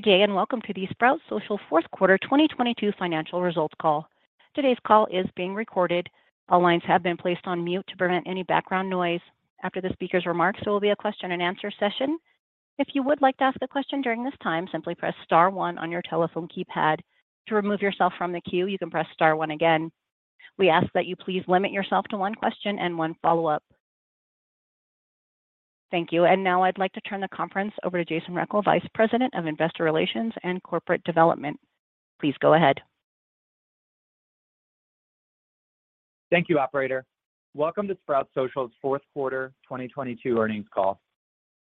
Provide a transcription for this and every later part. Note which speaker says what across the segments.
Speaker 1: Good day and welcome to the Sprout Social 4th quarter 2022 financial results call. Today's call is being recorded. All lines have been placed on mute to prevent any background noise. After the speaker's remarks, there will be a question and answer session. If you would like to ask a question during this time, simply press star one on your telephone keypad. To remove yourself from the queue, you can press star one again. We ask that you please limit yourself to one question and one follow-up. Thank you. Now I'd like to turn the conference over to Jason Rechel, Vice President of Investor Relations and Corporate Development. Please go ahead.
Speaker 2: Thank you, operator. Welcome to Sprout Social's 4th quarter 2022 earnings call.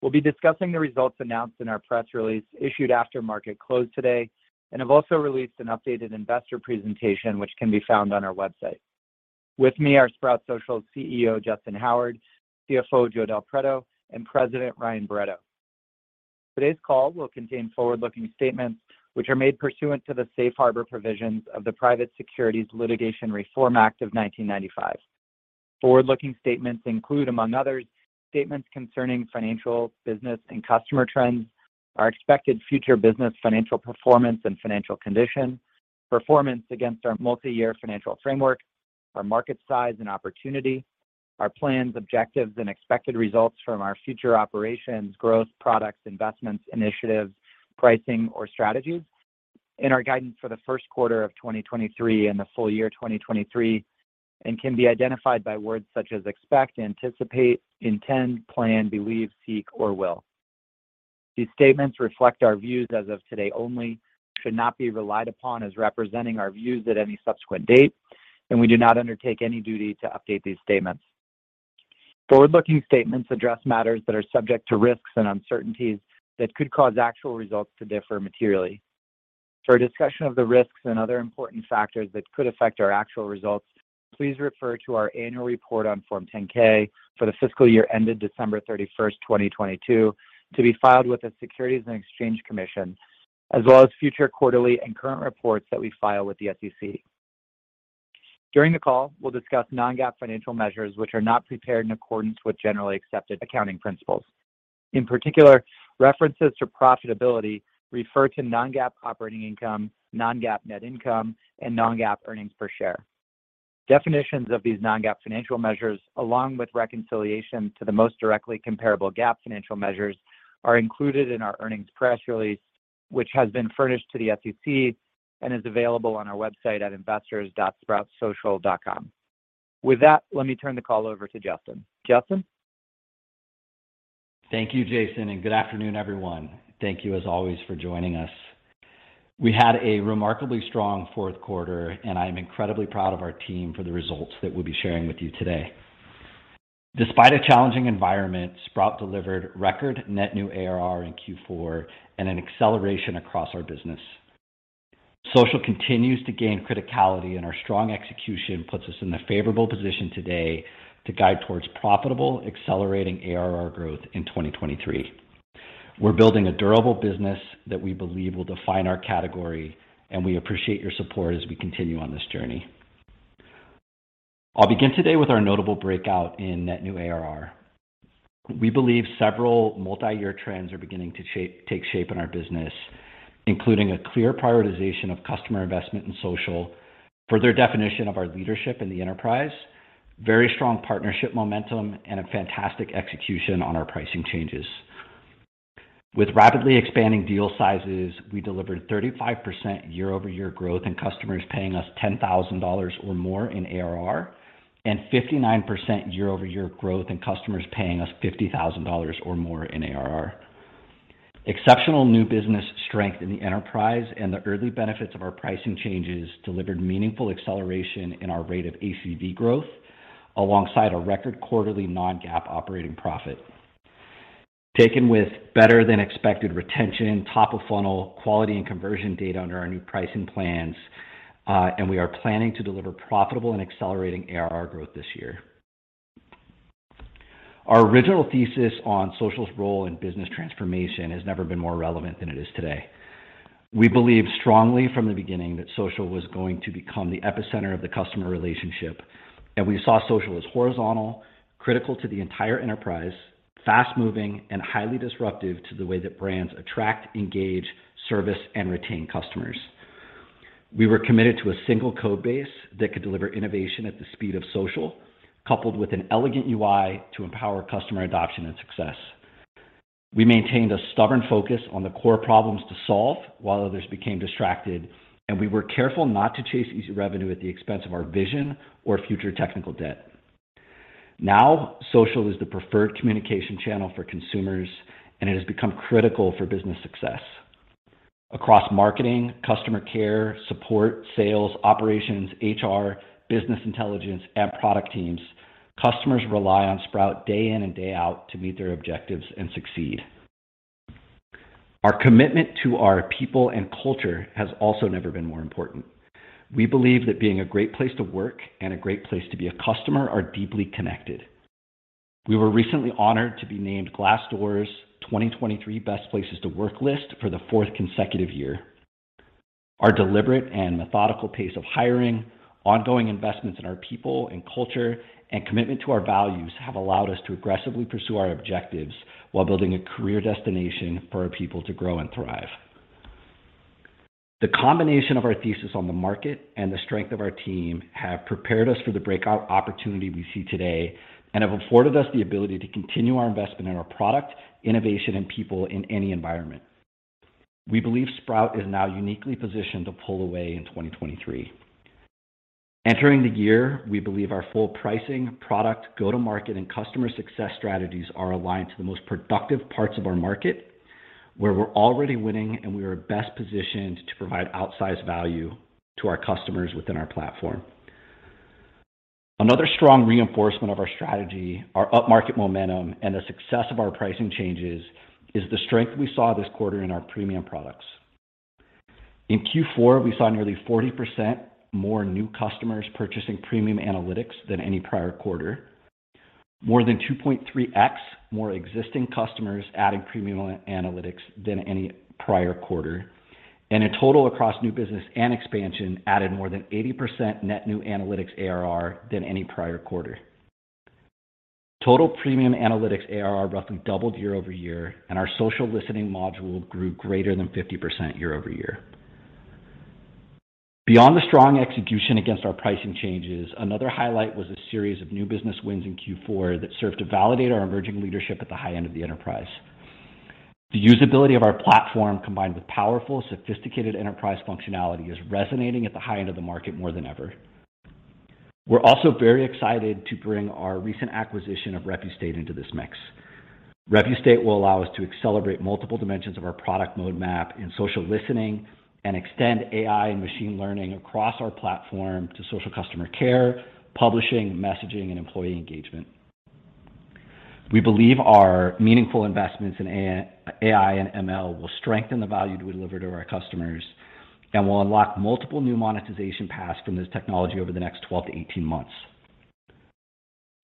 Speaker 2: We'll be discussing the results announced in our press release issued after market close today, and have also released an updated investor presentation, which can be found on our website. With me are Sprout Social's CEO, Justyn Howard; CFO, Joe Del Preto; and President, Ryan Barretto. Today's call will contain forward-looking statements which are made pursuant to the Safe Harbor provisions of the Private Securities Litigation Reform Act of 1995. Forward-looking statements include, among others, statements concerning financial, business, and customer trends, our expected future business financial performance and financial condition, performance against our multi-year financial framework, our market size and opportunity, our plans, objectives and expected results from our future operations, growth, products, investments, initiatives, pricing or strategies, and our guidance for the 1st quarter of 2023 and the full year 2023, and can be identified by words such as expect, anticipate, intend, plan, believe, seek or will. These statements reflect our views as of today only, should not be relied upon as representing our views at any subsequent date, and we do not undertake any duty to update these statements. Forward-looking statements address matters that are subject to risks and uncertainties that could cause actual results to differ materially. For a discussion of the risks and other important factors that could affect our actual results, please refer to our annual report on Form 10-K for the fiscal year ended December 31, 2022, to be filed with the Securities and Exchange Commission, as well as future quarterly and current reports that we file with the SEC. During the call, we'll discuss non-GAAP financial measures which are not prepared in accordance with generally accepted accounting principles. In particular, references to profitability refer to non-GAAP operating income, non-GAAP net income, and non-GAAP earnings per share. Definitions of these non-GAAP financial measures, along with reconciliation to the most directly comparable GAAP financial measures, are included in our earnings press release, which has been furnished to the SEC and is available on our website at investors.sproutsocial.com. With that, let me turn the call over to Justyn. Justyn?
Speaker 3: Thank you, Jason, and good afternoon, everyone. Thank you as always for joining us. We had a remarkably strong 4th quarter, and I am incredibly proud of our team for the results that we'll be sharing with you today. Despite a challenging environment, Sprout delivered record net new ARR in Q4 and an acceleration across our business. Social continues to gain criticality, and our strong execution puts us in a favorable position today to guide towards profitable, accelerating ARR growth in 2023. We're building a durable business that we believe will define our category, and we appreciate your support as we continue on this journey. I'll begin today with our notable breakout in net new ARR. We believe several multi-year trends are beginning to take shape in our business, including a clear prioritization of customer investment in social, further definition of our leadership in the enterprise, very strong partnership momentum, and a fantastic execution on our pricing changes. With rapidly expanding deal sizes, we delivered 35% year-over-year growth in customers paying us $10,000 or more in ARR, and 59% year-over-year growth in customers paying us $50,000 or more in ARR. Exceptional new business strength in the enterprise and the early benefits of our pricing changes delivered meaningful acceleration in our rate of ACV growth alongside a record quarterly non-GAAP operating profit. Taken with better-than-expected retention, top-of-funnel quality and conversion data under our new pricing plans, and we are planning to deliver profitable and accelerating ARR growth this year. Our original thesis on social's role in business transformation has never been more relevant than it is today. We believed strongly from the beginning that social was going to become the epicenter of the customer relationship, and we saw social as horizontal, critical to the entire enterprise, fast-moving, and highly disruptive to the way that brands attract, engage, service, and retain customers. We were committed to a single code base that could deliver innovation at the speed of social, coupled with an elegant UI to empower customer adoption and success. We maintained a stubborn focus on the core problems to solve while others became distracted, and we were careful not to chase easy revenue at the expense of our vision or future technical debt. Now, social is the preferred communication channel for consumers, and it has become critical for business success. Across marketing, customer care, support, sales, operations, HR, business intelligence, and product teams, customers rely on Sprout day in and day out to meet their objectives and succeed. Our commitment to our people and culture has also never been more important. We believe that being a great place to work and a great place to be a customer are deeply connected. We were recently honored to be named Glassdoor's 2023 Best Places to Work List for the fourth consecutive year. Our deliberate and methodical pace of hiring, ongoing investments in our people and culture, and commitment to our values have allowed us to aggressively pursue our objectives while building a career destination for our people to grow and thrive. The combination of our thesis on the market and the strength of our team have prepared us for the breakout opportunity we see today and have afforded us the ability to continue our investment in our product, innovation, and people in any environment. We believe Sprout is now uniquely positioned to pull away in 2023. Entering the year, we believe our full pricing, product, go-to-market, and customer success strategies are aligned to the most productive parts of our market, where we're already winning and we are best positioned to provide outsized value to our customers within our platform. Another strong reinforcement of our strategy, our upmarket momentum, and the success of our pricing changes is the strength we saw this quarter in our premium products. In Q4, we saw nearly 40% more new customers purchasing premium analytics than any prior quarter. More than 2.3x more existing customers adding premium analytics than any prior quarter, and a total across new business and expansion added more than 80% net new analytics ARR than any prior quarter. Total premium analytics ARR roughly doubled year-over-year, and our social listening module grew greater than 50% year-over-year. Beyond the strong execution against our pricing changes, another highlight was a series of new business wins in Q4 that served to validate our emerging leadership at the high end of the enterprise. The usability of our platform, combined with powerful, sophisticated enterprise functionality, is resonating at the high end of the market more than ever. We're also very excited to bring our recent acquisition of Repustate into this mix. Repustate will allow us to accelerate multiple dimensions of our product roadmap in social listening and extend AI and machine learning across our platform to social customer care, publishing, messaging, and employee engagement. We believe our meaningful investments in AI and ML will strengthen the value we deliver to our customers and will unlock multiple new monetization paths from this technology over the next 12-18 months.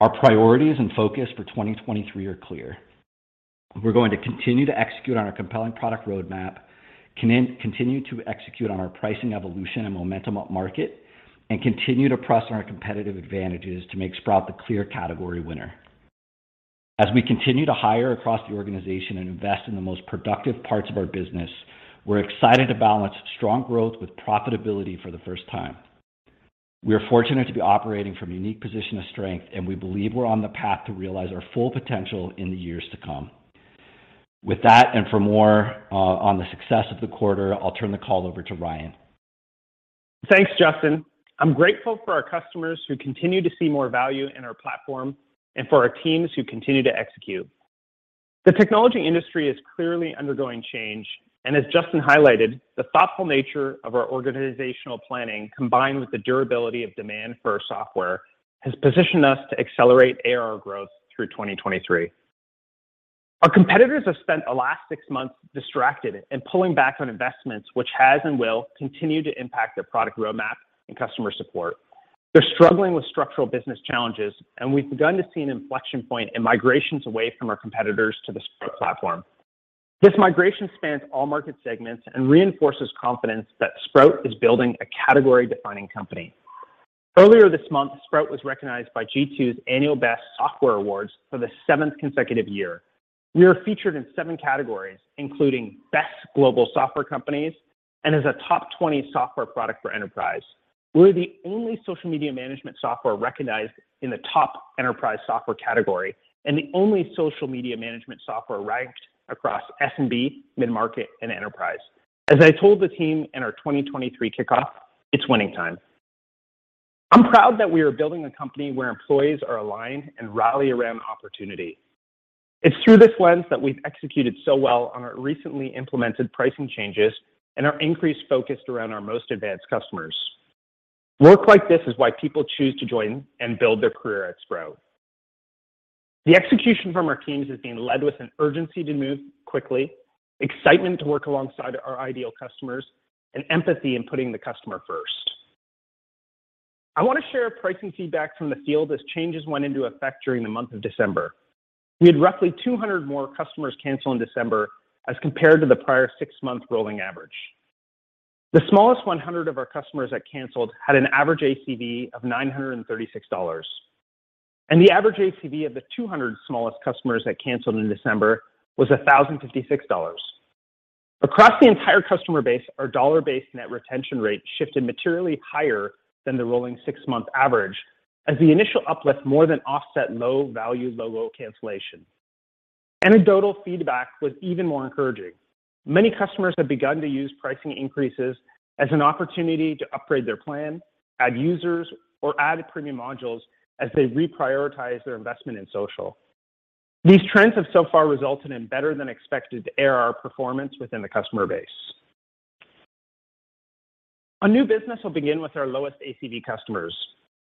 Speaker 3: Our priorities and focus for 2023 are clear. We're going to continue to execute on our compelling product roadmap, continue to execute on our pricing evolution and momentum upmarket, and continue to press on our competitive advantages to make Sprout the clear category winner. As we continue to hire across the organization and invest in the most productive parts of our business, we're excited to balance strong growth with profitability for the first time. We are fortunate to be operating from a unique position of strength, and we believe we're on the path to realize our full potential in the years to come. With that, and for more, on the success of the quarter, I'll turn the call over to Ryan.
Speaker 4: Thanks, Justyn. I'm grateful for our customers who continue to see more value in our platform and for our teams who continue to execute. The technology industry is clearly undergoing change. As Justyn highlighted, the thoughtful nature of our organizational planning, combined with the durability of demand for our software, has positioned us to accelerate ARR growth through 2023. Our competitors have spent the last six months distracted and pulling back on investments, which has and will continue to impact their product roadmap and customer support. They're struggling with structural business challenges. We've begun to see an inflection point in migrations away from our competitors to the Sprout platform. This migration spans all market segments and reinforces confidence that Sprout is building a category-defining company. Earlier this month, Sprout was recognized by G2's annual Best Software Awards for the 7th consecutive year. We are featured in seven categories, including Best Global Software Companies and as a Top 20 Software Product for Enterprise. We're the only social media management software recognized in the top enterprise software category and the only social media management software ranked across SMB, mid-market, and enterprise. As I told the team in our 2023 kickoff, it's winning time. I'm proud that we are building a company where employees are aligned and rally around opportunity. It's through this lens that we've executed so well on our recently implemented pricing changes and are increased focused around our most advanced customers. Work like this is why people choose to join and build their career at Sprout. The execution from our teams is being led with an urgency to move quickly, excitement to work alongside our ideal customers, and empathy in putting the customer first. I want to share pricing feedback from the field as changes went into effect during the month of December. We had roughly 200 more customers cancel in December as compared to the prior six-month rolling average. The smallest 100 of our customers that canceled had an average ACV of $936. The average ACV of the 200 smallest customers that canceled in December was $1,056. Across the entire customer base, our dollar-based net retention rate shifted materially higher than the rolling six-month average as the initial uplift more than offset low value, low-growth cancellation. Anecdotal feedback was even more encouraging. Many customers have begun to use pricing increases as an opportunity to upgrade their plan, add users, or add premium modules as they reprioritize their investment in social. These trends have so far resulted in better than expected ARR performance within the customer base. Our new business will begin with our lowest ACV customers.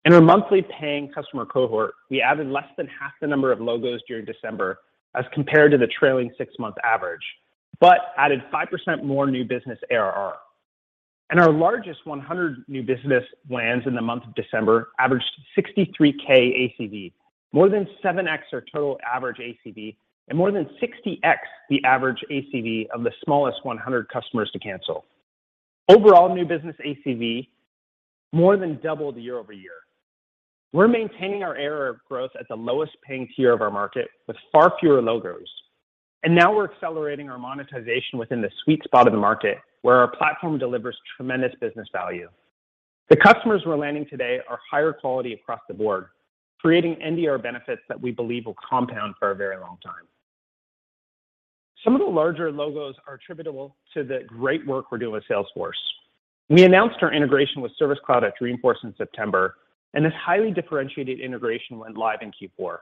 Speaker 4: In our monthly paying customer cohort, we added less than half the number of logos during December as compared to the trailing six-month average, but added 5% more new business ARR. Our largest 100 new business wins in the month of December averaged $63K ACV. More than 7x our total average ACV and more than 60x the average ACV of the smallest 100 customers to cancel. Overall, new business ACV more than doubled year-over-year. We're maintaining our ARR growth at the lowest paying tier of our market with far fewer logos. Now we're accelerating our monetization within the sweet spot of the market where our platform delivers tremendous business value. The customers we're landing today are higher quality across the board, creating NDR benefits that we believe will compound for a very long time. Some of the larger logos are attributable to the great work we do with Salesforce. We announced our integration with Service Cloud at Dreamforce in September, and this highly differentiated integration went live in Q4.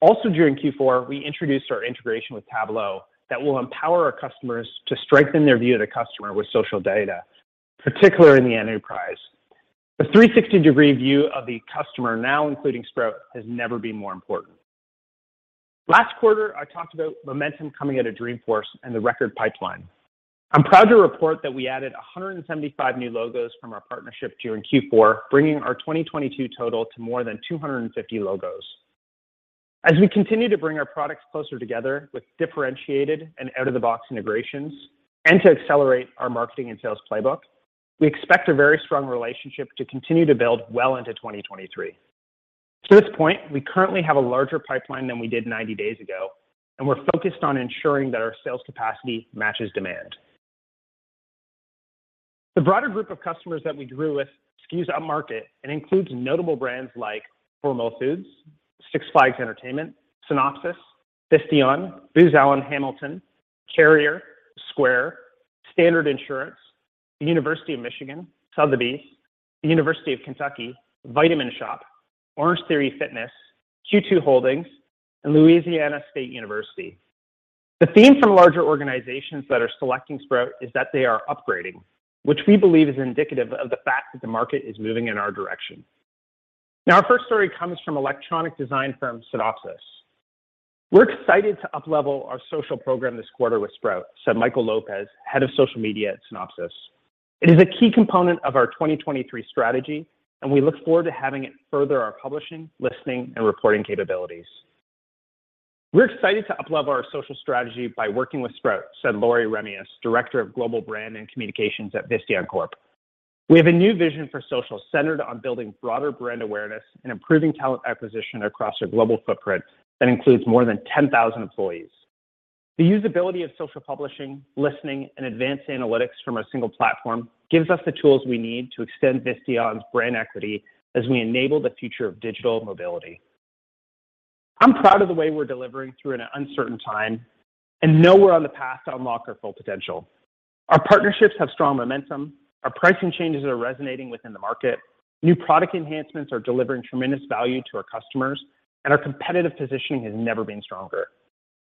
Speaker 4: Also during Q4, we introduced our integration with Tableau that will empower our customers to strengthen their view of the customer with social data, particularly in the enterprise. The 360-degree view of the customer now including Sprout has never been more important. Last quarter, I talked about momentum coming out of Dreamforce and the record pipeline. I'm proud to report that we added 175 new logos from our partnership during Q4, bringing our 2022 total to more than 250 logos. As we continue to bring our products closer together with differentiated and out-of-the-box integrations and to accelerate our marketing and sales playbook, we expect a very strong relationship to continue to build well into 2023. To this point, we currently have a larger pipeline than we did 90 days ago, and we're focused on ensuring that our sales capacity matches demand. The broader group of customers that we drew with skews our market and includes notable brands like Hormel Foods, Six Flags Entertainment, Synopsys, Visteon, Booz Allen Hamilton, Carrier, Square, Standard Insurance, the University of Michigan, Sotheby's, the University of Kentucky, The Vitamin Shoppe, Orangetheory Fitness, Q2 Holdings, and Louisiana State University. The theme from larger organizations that are selecting Sprout is that they are upgrading, which we believe is indicative of the fact that the market is moving in our direction. Our first story comes from electronic design firm, Synopsys. "We're excited to uplevel our social program this quarter with Sprout," said Michael Lopez, Head of Social Media at Synopsys. "It is a key component of our 2023 strategy, and we look forward to having it further our publishing, listening, and reporting capabilities." "We're excited to uplevel our social strategy by working with Sprout," said Lori Remias, Director of Global Brand and Communications at Visteon Corp. "We have a new vision for social centered on building broader brand awareness and improving talent acquisition across our global footprint that includes more than 10,000 employees. The usability of social publishing, listening, and advanced analytics from a single platform gives us the tools we need to extend Visteon's brand equity as we enable the future of digital mobility. I'm proud of the way we're delivering through an uncertain time and know we're on the path to unlock our full potential. Our partnerships have strong momentum, our pricing changes are resonating within the market, new product enhancements are delivering tremendous value to our customers, and our competitive positioning has never been stronger.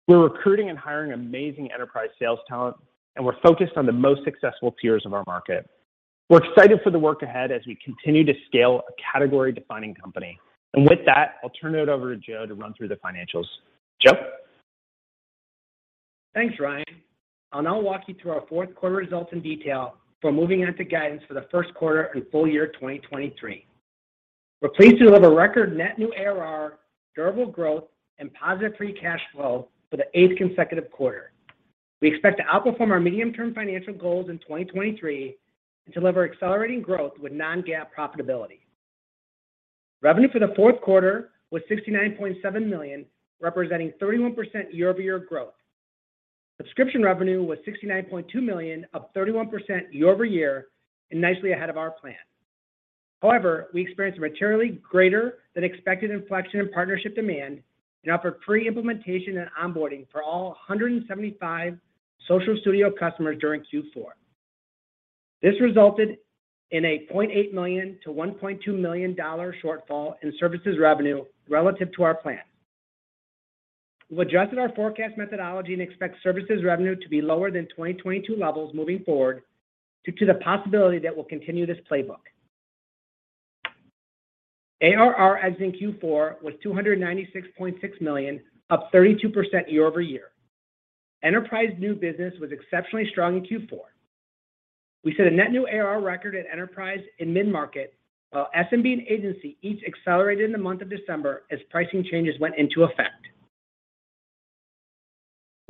Speaker 4: We're recruiting and hiring amazing enterprise sales talent, and we're focused on the most successful tiers of our market. We're excited for the work ahead as we continue to scale a category-defining company. With that, I'll turn it over to Joe to run through the financials. Joe?
Speaker 5: Thanks, Ryan. I'll now walk you through our 4th quarter results in detail before moving on to guidance for the 1st quarter and full year 2023. We're pleased to deliver record net new ARR, durable growth, and positive free cash flow for the eighth consecutive quarter. We expect to outperform our medium-term financial goals in 2023 and deliver accelerating growth with non-GAAP profitability. Revenue for the 4th quarter was $69.7 million, representing 31% year-over-year growth. Subscription revenue was $69.2 million, up 31% year-over-year, and nicely ahead of our plan. However, we experienced a materially greater than expected inflection in partnership demand and offered free implementation and onboarding for all 175 Social Studio customers during Q4. This resulted in a $0.8 million-$1.2 million shortfall in services revenue relative to our plan. We've adjusted our forecast methodology and expect services revenue to be lower than 2022 levels moving forward due to the possibility that we'll continue this playbook. ARR as in Q4 was $296.6 million, up 32% year-over-year. Enterprise new business was exceptionally strong in Q4. We set a net new ARR record at enterprise in mid-market, while SMB and agency each accelerated in the month of December as pricing changes went into effect.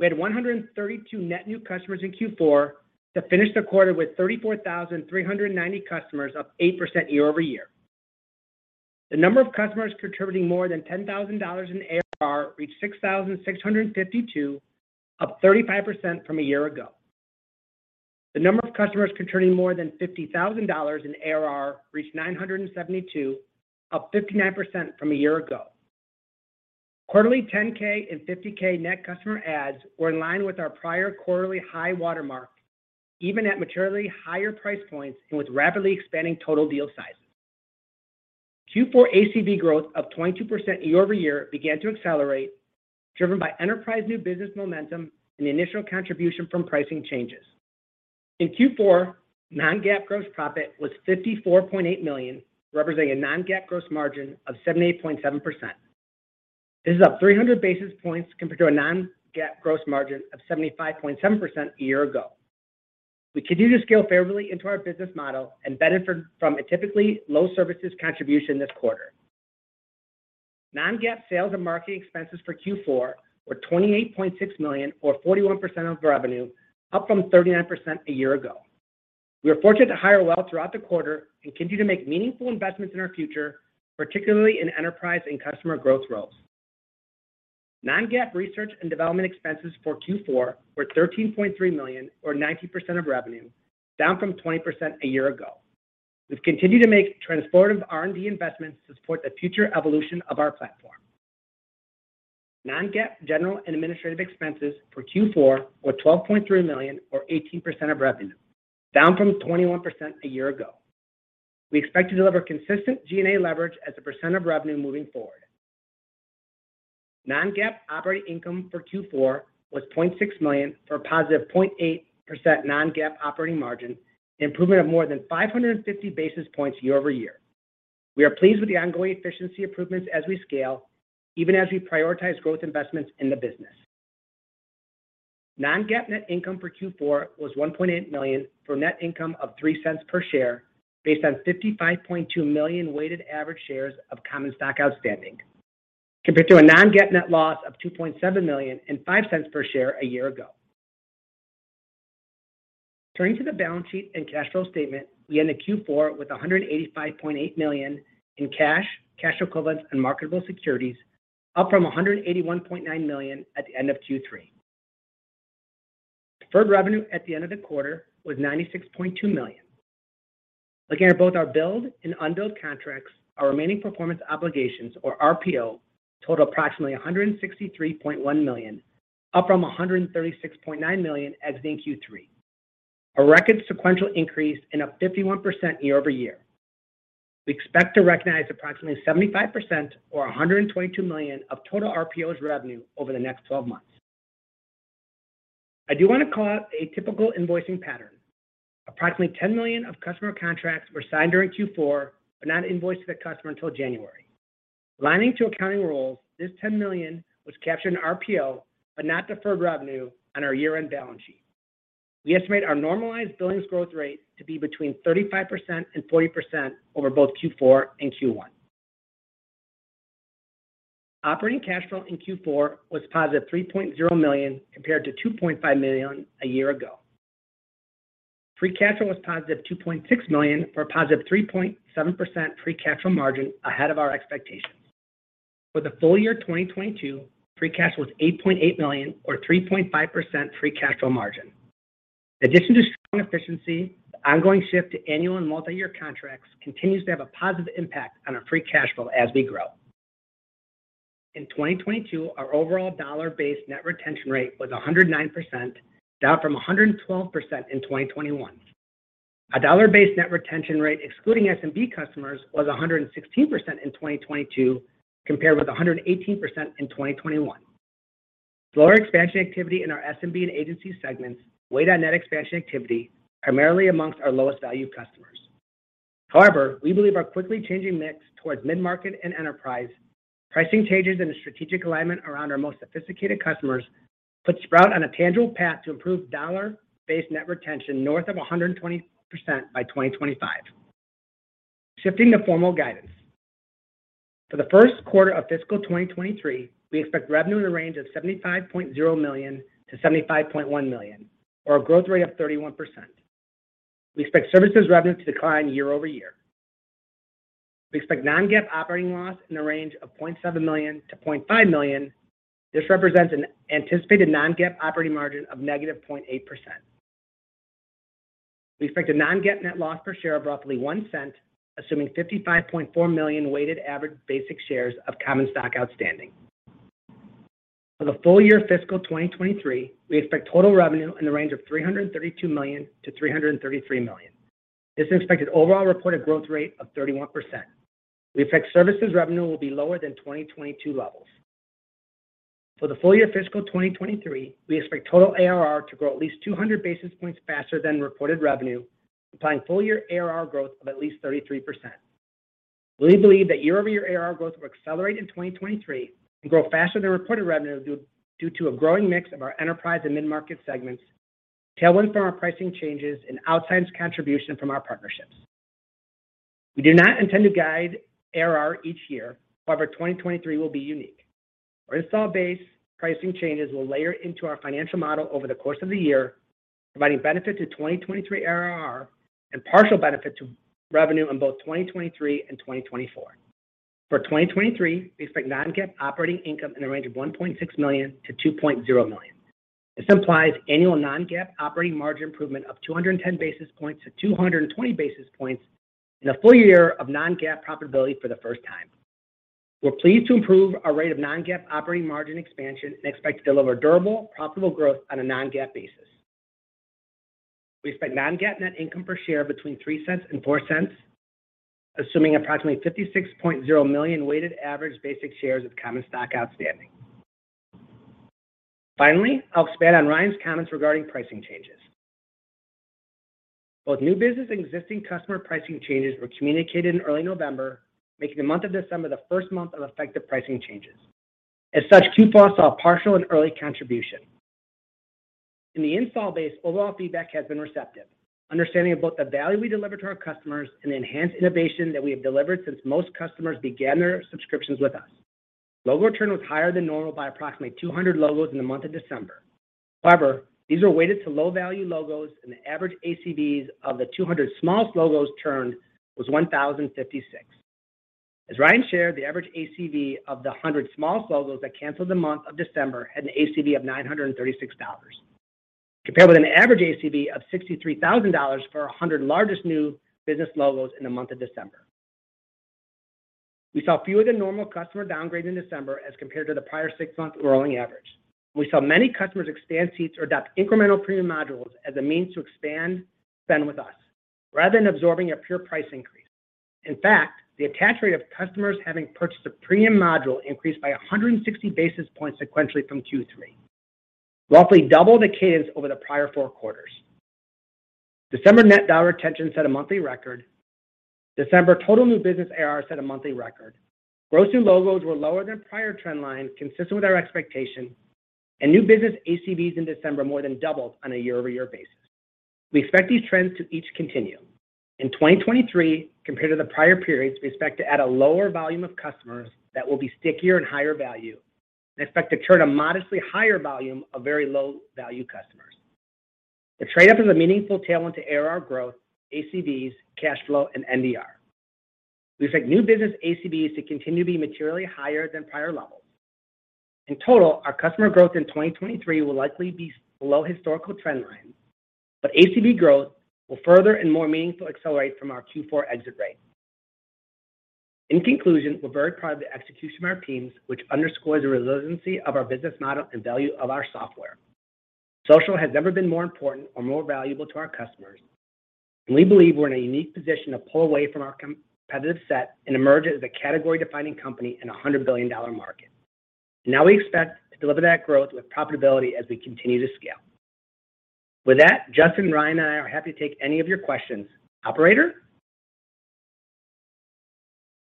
Speaker 5: We had 132 net new customers in Q4 to finish the quarter with 34,390 customers, up 8% year-over-year. The number of customers contributing more than $10,000 in ARR reached 6,652, up 35% from a year ago. The number of customers contributing more than $50,000 in ARR reached 972, up 59% from a year ago. Quarterly 10-K and 50-K net customer adds were in line with our prior quarterly high watermark, even at materially higher price points and with rapidly expanding total deal sizes. Q4 ACV growth of 22% year-over-year began to accelerate, driven by enterprise new business momentum and the initial contribution from pricing changes. In Q4, non-GAAP gross profit was $54.8 million, representing a non-GAAP gross margin of 78.7%. This is up 300 basis points compared to a non-GAAP gross margin of 75.7% a year ago. We continue to scale favorably into our business model and benefit from a typically low services contribution this quarter. Non-GAAP sales and marketing expenses for Q4 were $28.6 million or 41% of revenue, up from 39% a year ago. We were fortunate to hire well throughout the quarter and continue to make meaningful investments in our future, particularly in enterprise and customer growth roles. Non-GAAP research and development expenses for Q4 were $13.3 million, or 90% of revenue, down from 20% a year ago. We've continued to make transformative R&D investments to support the future evolution of our platform. Non-GAAP general and administrative expenses for Q4 were $12.3 million, or 18% of revenue, down from 21% a year ago. We expect to deliver consistent G&A leverage as a % of revenue moving forward. Non-GAAP operating income for Q4 was $0.6 million, for a positive 0.8% non-GAAP operating margin, an improvement of more than 550 basis points year-over-year. We are pleased with the ongoing efficiency improvements as we scale, even as we prioritize growth investments in the business. Non-GAAP net income for Q4 was $1.8 million for a net income of $0.03 per share based on 55.2 million weighted average shares of common stock outstanding, compared to a non-GAAP net loss of $2.7 million and $0.05 per share a year ago. Turning to the balance sheet and cash flow statement, we end the Q4 with $185.8 million in cash equivalents, and marketable securities, up from $181.9 million at the end of Q3. Deferred revenue at the end of the quarter was $96.2 million. Looking at both our billed and unbilled contracts, our remaining performance obligations, or RPO, total approximately $163.1 million, up from $136.9 million exiting Q3, a record sequential increase and up 51% year-over-year. We expect to recognize approximately 75% or $122 million of total RPOs revenue over the next 12 months. I do want to call out a typical invoicing pattern. Approximately $10 million of customer contracts were signed during Q4, but not invoiced to the customer until January. Aligning to accounting rules, this $10 million was captured in RPO, but not deferred revenue on our year-end balance sheet. We estimate our normalized billings growth rate to be between 35% and 40% over both Q4 and Q1. Operating cash flow in Q4 was positive $3.0 million, compared to $2.5 million a year ago. Free cash flow was positive $2.6 million for a positive 3.7% free cash flow margin ahead of our expectations. For the full year 2022, free cash was $8.8 million or 3.5% free cash flow margin. In addition to strong efficiency, the ongoing shift to annual and multi-year contracts continues to have a positive impact on our free cash flow as we grow. In 2022, our overall dollar-based net retention rate was 109%, down from 112% in 2021. Our dollar-based net retention rate excluding SMB customers was 116% in 2022, compared with 118% in 2021. Slower expansion activity in our SMB and agency segments weighed on net expansion activity, primarily amongst our lowest value customers. We believe our quickly changing mix towards mid-market and enterprise, pricing changes in a strategic alignment around our most sophisticated customers puts Sprout on a tangible path to improve dollar-based net retention north of 120% by 2025. Shifting to formal guidance. For the 1st quarter of fiscal 2023, we expect revenue in the range of $75.0 million-$75.1 million, or a growth rate of 31%. We expect services revenue to decline year-over-year. We expect non-GAAP operating loss in the range of $0.7 million-$0.5 million. This represents an anticipated non-GAAP operating margin of negative 0.8%. We expect a non-GAAP net loss per share of roughly $0.01, assuming 55.4 million weighted average basic shares of common stock outstanding. For the full year fiscal 2023, we expect total revenue in the range of $332 million-$333 million. This is an expected overall reported growth rate of 31%. We expect services revenue will be lower than 2022 levels. For the full year fiscal 2023, we expect total ARR to grow at least 200 basis points faster than reported revenue, implying full year ARR growth of at least 33%. We believe that year-over-year ARR growth will accelerate in 2023 and grow faster than reported revenue due to a growing mix of our enterprise and mid-market segments, tailwind from our pricing changes, and outsized contribution from our partnerships. We do not intend to guide ARR each year. 2023 will be unique. Our install base pricing changes will layer into our financial model over the course of the year, providing benefit to 2023 ARR and partial benefit to revenue in both 2023 and 2024. For 2023, we expect non-GAAP operating income in a range of $1.6 million-$2.0 million. This implies annual non-GAAP operating margin improvement of 210 basis points-220 basis points in a full year of non-GAAP profitability for the first time. We're pleased to improve our rate of non-GAAP operating margin expansion and expect to deliver durable, profitable growth on a non-GAAP basis. We expect non-GAAP net income per share between $0.03 and $0.04, assuming approximately $56.0 million weighted average basic shares of common stock outstanding. I'll expand on Ryan's comments regarding pricing changes. Both new business and existing customer pricing changes were communicated in early November, making the month of December the first month of effective pricing changes. Q4 saw a partial and early contribution. In the install base, overall feedback has been receptive, understanding of both the value we deliver to our customers and the enhanced innovation that we have delivered since most customers began their subscriptions with us. Logo churn was higher than normal by approximately 200 logos in the month of December. These were weighted to low value logos, and the average ACVs of the 200 smallest logos churned was $1,056. As Ryan shared, the average ACV of the 100 smallest logos that canceled the month of December had an ACV of $936, compared with an average ACV of $63,000 for 100 largest new business logos in the month of December. We saw fewer than normal customer downgrade in December as compared to the prior six-month rolling average. We saw many customers expand seats or adopt incremental premium modules as a means to expand spend with us rather than absorbing a pure price increase. In fact, the attach rate of customers having purchased a premium module increased by 160 basis points sequentially from Q3, roughly double the cadence over the prior 4 quarters. December net dollar retention set a monthly record. December total new business ARR set a monthly record. Gross new logos were lower than prior trend line, consistent with our expectation, and new business ACVs in December more than doubled on a year-over-year basis. We expect these trends to each continue. In 2023, compared to the prior periods, we expect to add a lower volume of customers that will be stickier and higher value, and expect to churn a modestly higher volume of very low value customers. The trade-up is a meaningful tailwind to ARR growth, ACVs, cash flow, and NDR. We expect new business ACVs to continue to be materially higher than prior levels. In total, our customer growth in 2023 will likely be below historical trend lines, but ACV growth will further and more meaningfully accelerate from our Q4 exit rate. In conclusion, we're very proud of the execution of our teams, which underscores the resiliency of our business model and value of our software. social has never been more important or more valuable to our customers, and we believe we're in a unique position to pull away from our competitive set and emerge as a category-defining company in a $100 billion market. Now, we expect to deliver that growth with profitability as we continue to scale. With that, Justyn, Ryan, and I are happy to take any of your questions. Operator.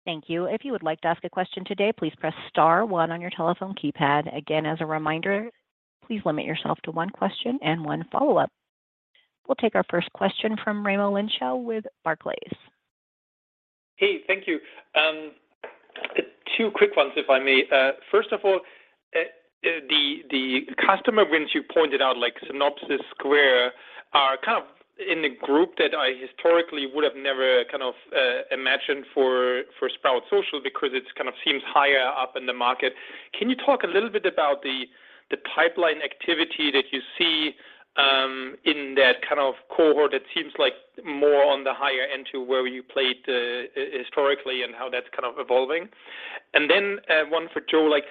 Speaker 1: Thank you. If you would like to ask a question today, please press star one on your telephone keypad. Again, as a reminder, please limit yourself to one question and one follow-up. We'll take our first question from Raimo Lenschow with Barclays.
Speaker 6: Hey, thank you. Two quick ones, if I may. First of all, the customer wins you pointed out like Synopsys, Square are kind of in the group that I historically would have never kind of imagined for Sprout Social because it's kind of seems higher up in the market. Can you talk a little bit about the pipeline activity that you see in that kind of cohort that seems like more on the higher end to where you played historically and how that's kind of evolving? One for Joe, like,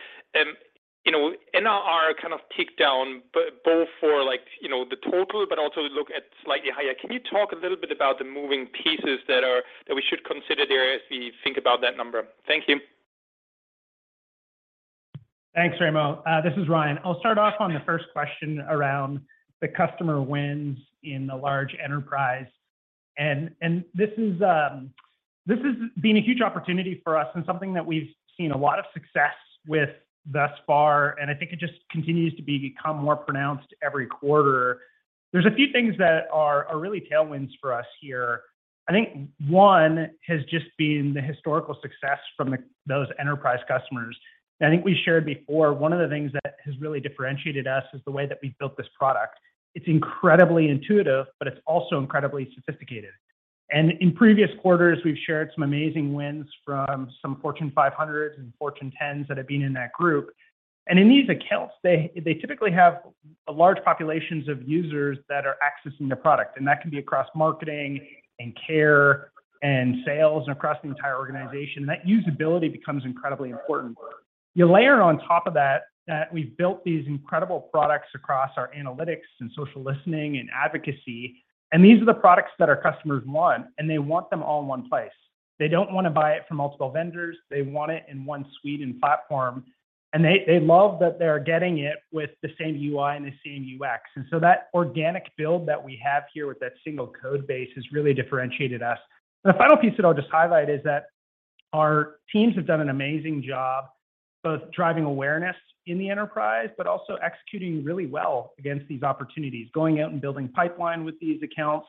Speaker 6: you know, NRR kind of ticked down both for like, you know, the total, but also look at slightly higher. Can you talk a little bit about the moving pieces that we should consider there as we think about that number? Thank you.
Speaker 4: Thanks, Raimo. This is Ryan. I'll start off on the first question around the customer wins in the large enterprise. This has been a huge opportunity for us and something that we've seen a lot of success with thus far, and I think it just continues to become more pronounced every quarter. There's a few things that are really tailwinds for us here. I think one has just been the historical success from those enterprise customers. I think we shared before, one of the things that has really differentiated us is the way that we built this product. It's incredibly intuitive, but it's also incredibly sophisticated. In previous quarters, we've shared some amazing wins from some Fortune 500s and Fortune 10s that have been in that group. In these accounts, they typically have a large populations of users that are accessing the product, and that can be across marketing and care and sales and across the entire organization. That usability becomes incredibly important. You layer on top of that we've built these incredible products across our analytics and social listening and advocacy, and these are the products that our customers want, and they want them all in one place. They don't want to buy it from multiple vendors. They want it in one suite and platform, and they love that they're getting it with the same UI and the same UX. That organic build that we have here with that single code base has really differentiated us. The final piece that I'll just highlight is that our teams have done an amazing job both driving awareness in the enterprise, but also executing really well against these opportunities, going out and building pipeline with these accounts,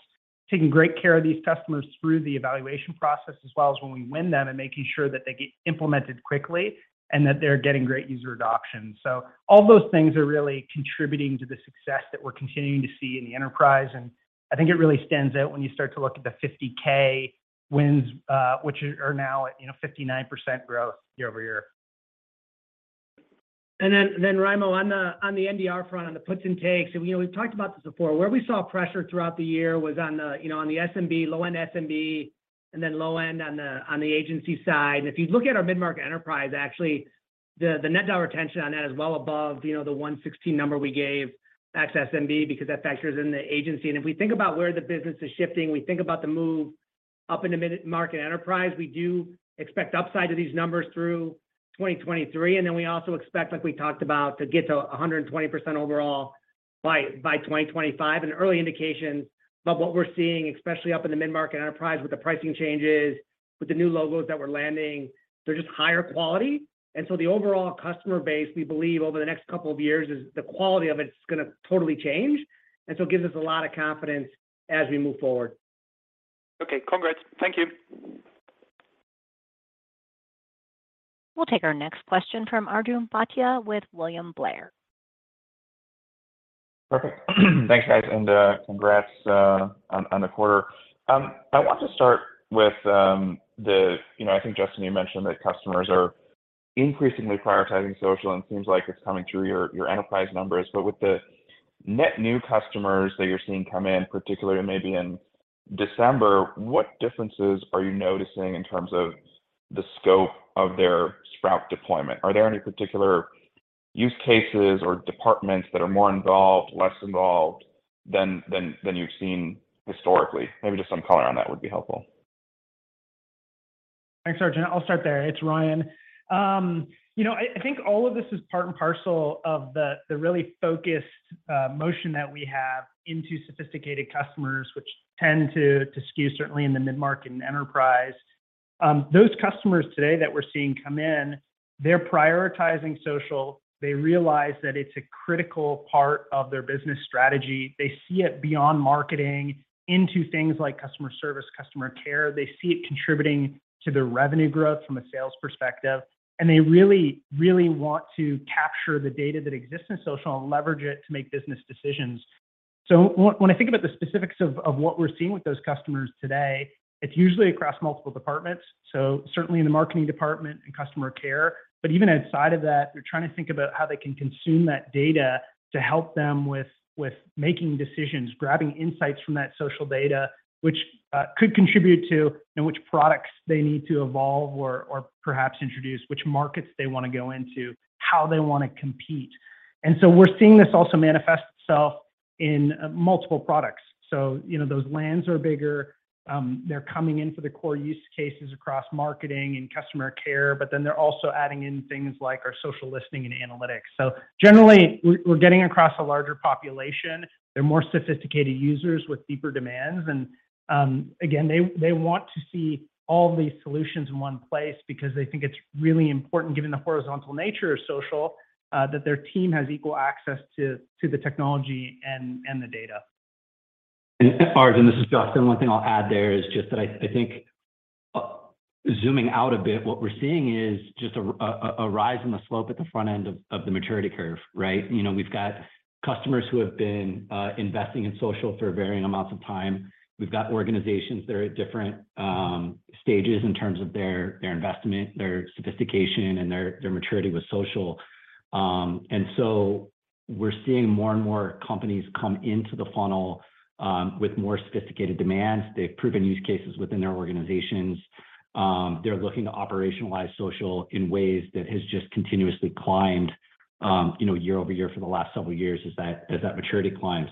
Speaker 4: taking great care of these customers through the evaluation process, as well as when we win them and making sure that they get implemented quickly and that they're getting great user adoption. All those things are really contributing to the success that we're continuing to see in the enterprise. I think it really stands out when you start to look at the 50-K wins, which are now at, you know, 59% growth year-over-year.
Speaker 5: Raimo on the NDR front, on the puts and takes, and, you know, we've talked about this before. Where we saw pressure throughout the year was on the, you know, on the SMB, low-end SMB, and then low-end on the, on the agency side. If you look at our mid-market enterprise, actually the net dollar retention on that is well above, you know, the 116 number we gave access SMB because that factor is in the agency. If we think about where the business is shifting, we think about the move up in the mid-market enterprise. We do expect upside to these numbers through 2023. We also expect, like we talked about, to get to 120% overall.
Speaker 4: By 2025. An early indication of what we're seeing, especially up in the mid-market enterprise with the pricing changes, with the new logos that we're landing, they're just higher quality. The overall customer base, we believe over the next couple of years, is the quality of it's gonna totally change. It gives us a lot of confidence as we move forward.
Speaker 6: Okay. Congrats. Thank you.
Speaker 1: We'll take our next question from Arjun Bhatia with William Blair.
Speaker 7: Perfect. Thanks, guys, and congrats on the quarter. I want to start with. You know, I think, Justyn, you mentioned that customers are increasingly prioritizing social, and it seems like it's coming through your enterprise numbers. With the net new customers that you're seeing come in, particularly maybe in December, what differences are you noticing in terms of the scope of their Sprout deployment? Are there any particular use cases or departments that are more involved, less involved than you've seen historically? Maybe just some color on that would be helpful.
Speaker 4: Thanks, Arjun. I'll start there. It's Ryan. you know, I think all of this is part and parcel of the really focused motion that we have into sophisticated customers, which tend to skew certainly in the mid-market and enterprise. Those customers today that we're seeing come in, they're prioritizing social. They realize that it's a critical part of their business strategy. They see it beyond marketing into things like customer service, customer care. They see it contributing to their revenue growth from a sales perspective, and they really, really want to capture the data that exists in social and leverage it to make business decisions. When I think about the specifics of what we're seeing with those customers today, it's usually across multiple departments, so certainly in the marketing department and customer care. Even outside of that, they're trying to think about how they can consume that data to help them with making decisions, grabbing insights from that social data, which could contribute to, you know, which products they need to evolve or perhaps introduce, which markets they wanna go into, how they wanna compete. We're seeing this also manifest itself in multiple products. You know, those lands are bigger. They're coming in for the core use cases across marketing and customer care, they're also adding in things like our social listening and analytics. Generally, we're getting across a larger population. They're more sophisticated users with deeper demands and, again, they want to see all these solutions in one place because they think it's really important, given the horizontal nature of social, that their team has equal access to the technology and the data.
Speaker 3: Arjun, this is Justyn. One thing I'll add there is just that I think, zooming out a bit, what we're seeing is just a rise in the slope at the front end of the maturity curve, right? You know, we've got customers who have been investing in social for varying amounts of time. We've got organizations that are at different stages in terms of their investment, their sophistication, and their maturity with social. We're seeing more and more companies come into the funnel with more sophisticated demands. They've proven use cases within their organizations. They're looking to operationalize social in ways that has just continuously climbed, you know, year-over-year for the last several years as that maturity climbs.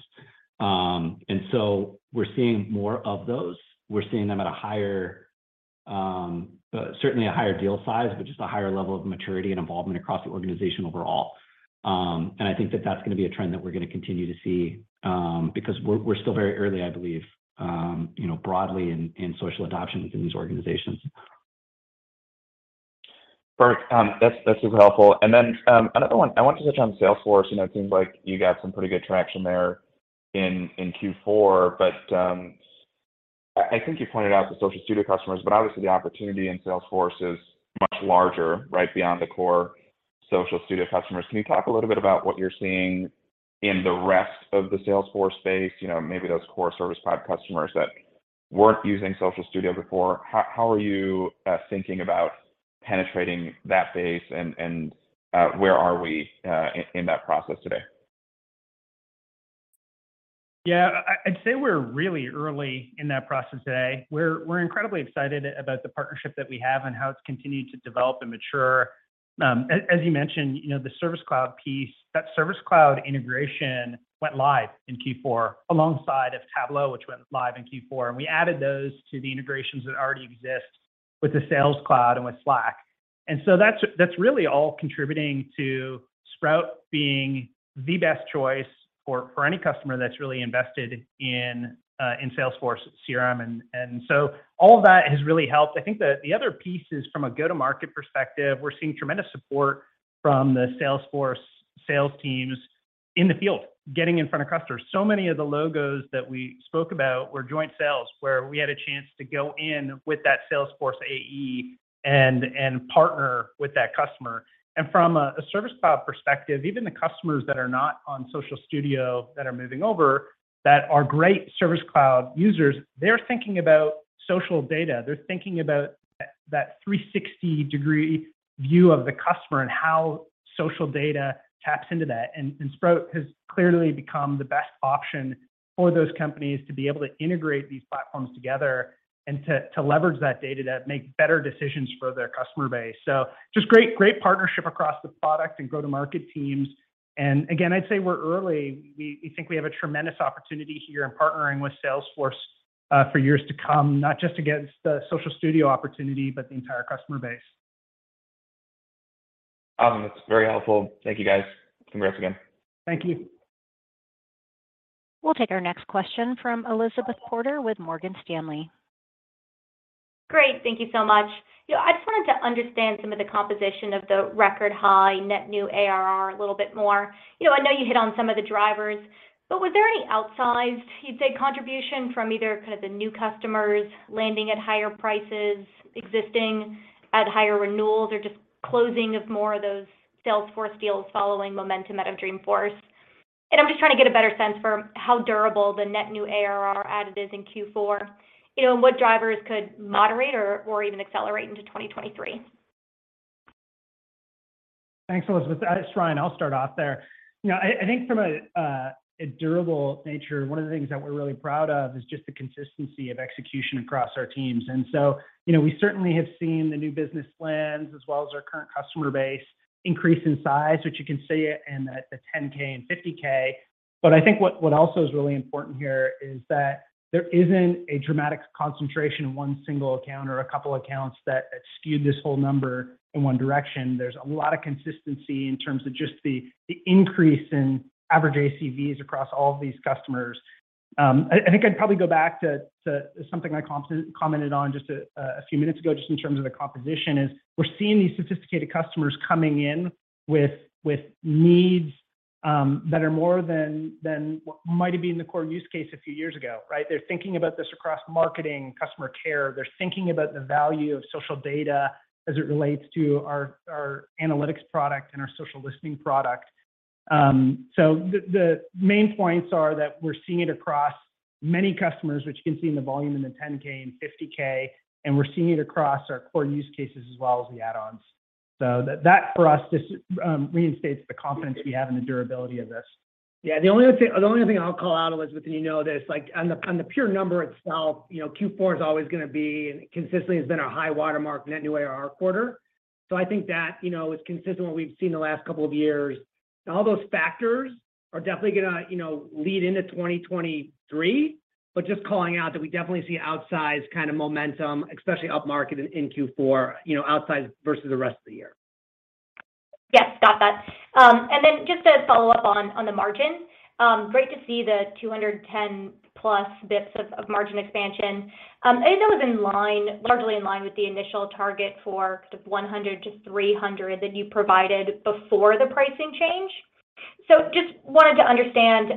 Speaker 3: We're seeing more of those. We're seeing them at a higher, certainly a higher deal size, but just a higher level of maturity and involvement across the organization overall. I think that that's gonna be a trend that we're gonna continue to see, because we're still very early, I believe, you know, broadly in social adoptions in these organizations.
Speaker 7: Perfect. That's, that's super helpful. Another one. I wanted to touch on Salesforce. You know, it seems like you got some pretty good traction there in Q4, I think you pointed out the Social Studio customers, but obviously the opportunity in Salesforce is much larger, right, beyond the core Social Studio customers. Can you talk a little bit about what you're seeing in the rest of the Salesforce space? You know, maybe those core Service Cloud customers that weren't using Social Studio before. How are you thinking about penetrating that base and, where are we in that process today?
Speaker 4: Yeah. I'd say we're really early in that process today. We're incredibly excited about the partnership that we have and how it's continued to develop and mature. As you mentioned, you know, the Service Cloud piece, that Service Cloud integration went live in Q4 alongside of Tableau, which went live in Q4, and we added those to the integrations that already exist with the Sales Cloud and with Slack. So that's really all contributing to Sprout being the best choice for any customer that's really invested in Salesforce CRM. So all of that has really helped. I think the other piece is from a go-to-market perspective, we're seeing tremendous support from the Salesforce sales teams in the field getting in front of customers. Many of the logos that we spoke about were joint sales, where we had a chance to go in with that Salesforce AE and partner with that customer. From a Service Cloud perspective, even the customers that are not on Social Studio that are moving over that are great Service Cloud users, they're thinking about social data. They're thinking about that 360 degree view of the customer and how social data taps into that. Sprout has clearly become the best option for those companies to be able to integrate these platforms together and to leverage that data to make better decisions for their customer base. Just great partnership across the product and go-to-market teams. Again, I'd say we're early. We think we have a tremendous opportunity here in partnering with Salesforce, for years to come, not just against the Social Studio opportunity, but the entire customer base.
Speaker 7: Awesome. That's very helpful. Thank you guys. Congrats again.
Speaker 4: Thank you.
Speaker 1: We'll take our next question from Elizabeth Porter with Morgan Stanley.
Speaker 8: Great. Thank you so much. You know, I just wanted to understand some of the composition of the record high net new ARR a little bit more. You know, I know you hit on some of the drivers, but was there any outsized, you'd say, contribution from either kind of the new customers landing at higher prices existing at higher renewals or just closing of more of those Salesforce deals following momentum out of Dreamforce? I'm just trying to get a better sense for how durable the net new ARR added is in Q4. You know, what drivers could moderate or even accelerate into 2023?
Speaker 4: Thanks, Elizabeth. It's Ryan. I'll start off there. You know, I think from a durable nature, one of the things that we're really proud of is just the consistency of execution across our teams. You know, we certainly have seen the new business plans as well as our current customer base increase in size, which you can see in the 10K and 50K. I think what also is really important here is that there isn't a dramatic concentration in one single account or a couple accounts that skewed this whole number in one direction. There's a lot of consistency in terms of just the increase in average ACVs across all of these customers. I think I'd probably go back to something I commented on just a few minutes ago, just in terms of the composition, is we're seeing these sophisticated customers coming in with needs that are more than what might have been the core use case a few years ago, right? They're thinking about this across marketing, customer care. They're thinking about the value of social data as it relates to our analytics product and our social listening product. The main points are that we're seeing it across many customers, which you can see in the volume in the 10-K and 50-K, and we're seeing it across our core use cases as well as the add-ons. That for us just reinstates the confidence we have in the durability of this. Yeah. The only other thing, the only other thing I'll call out, Elizabeth, and you know this, like on the, on the pure number itself, you know, Q4 is always gonna be and consistently has been our high watermark net new ARR quarter. I think that, you know, is consistent with what we've seen the last couple of years. All those factors are definitely gonna, you know, lead into 2023. Just calling out that we definitely see outsized kind of momentum, especially upmarket in Q4, you know, outsized versus the rest of the year.
Speaker 8: Yes. Got that. Just to follow up on the margin, great to see the 210+ basis points of margin expansion. I think that was largely in line with the initial target for sort of 100-300 basis points that you provided before the pricing change. Just wanted to understand,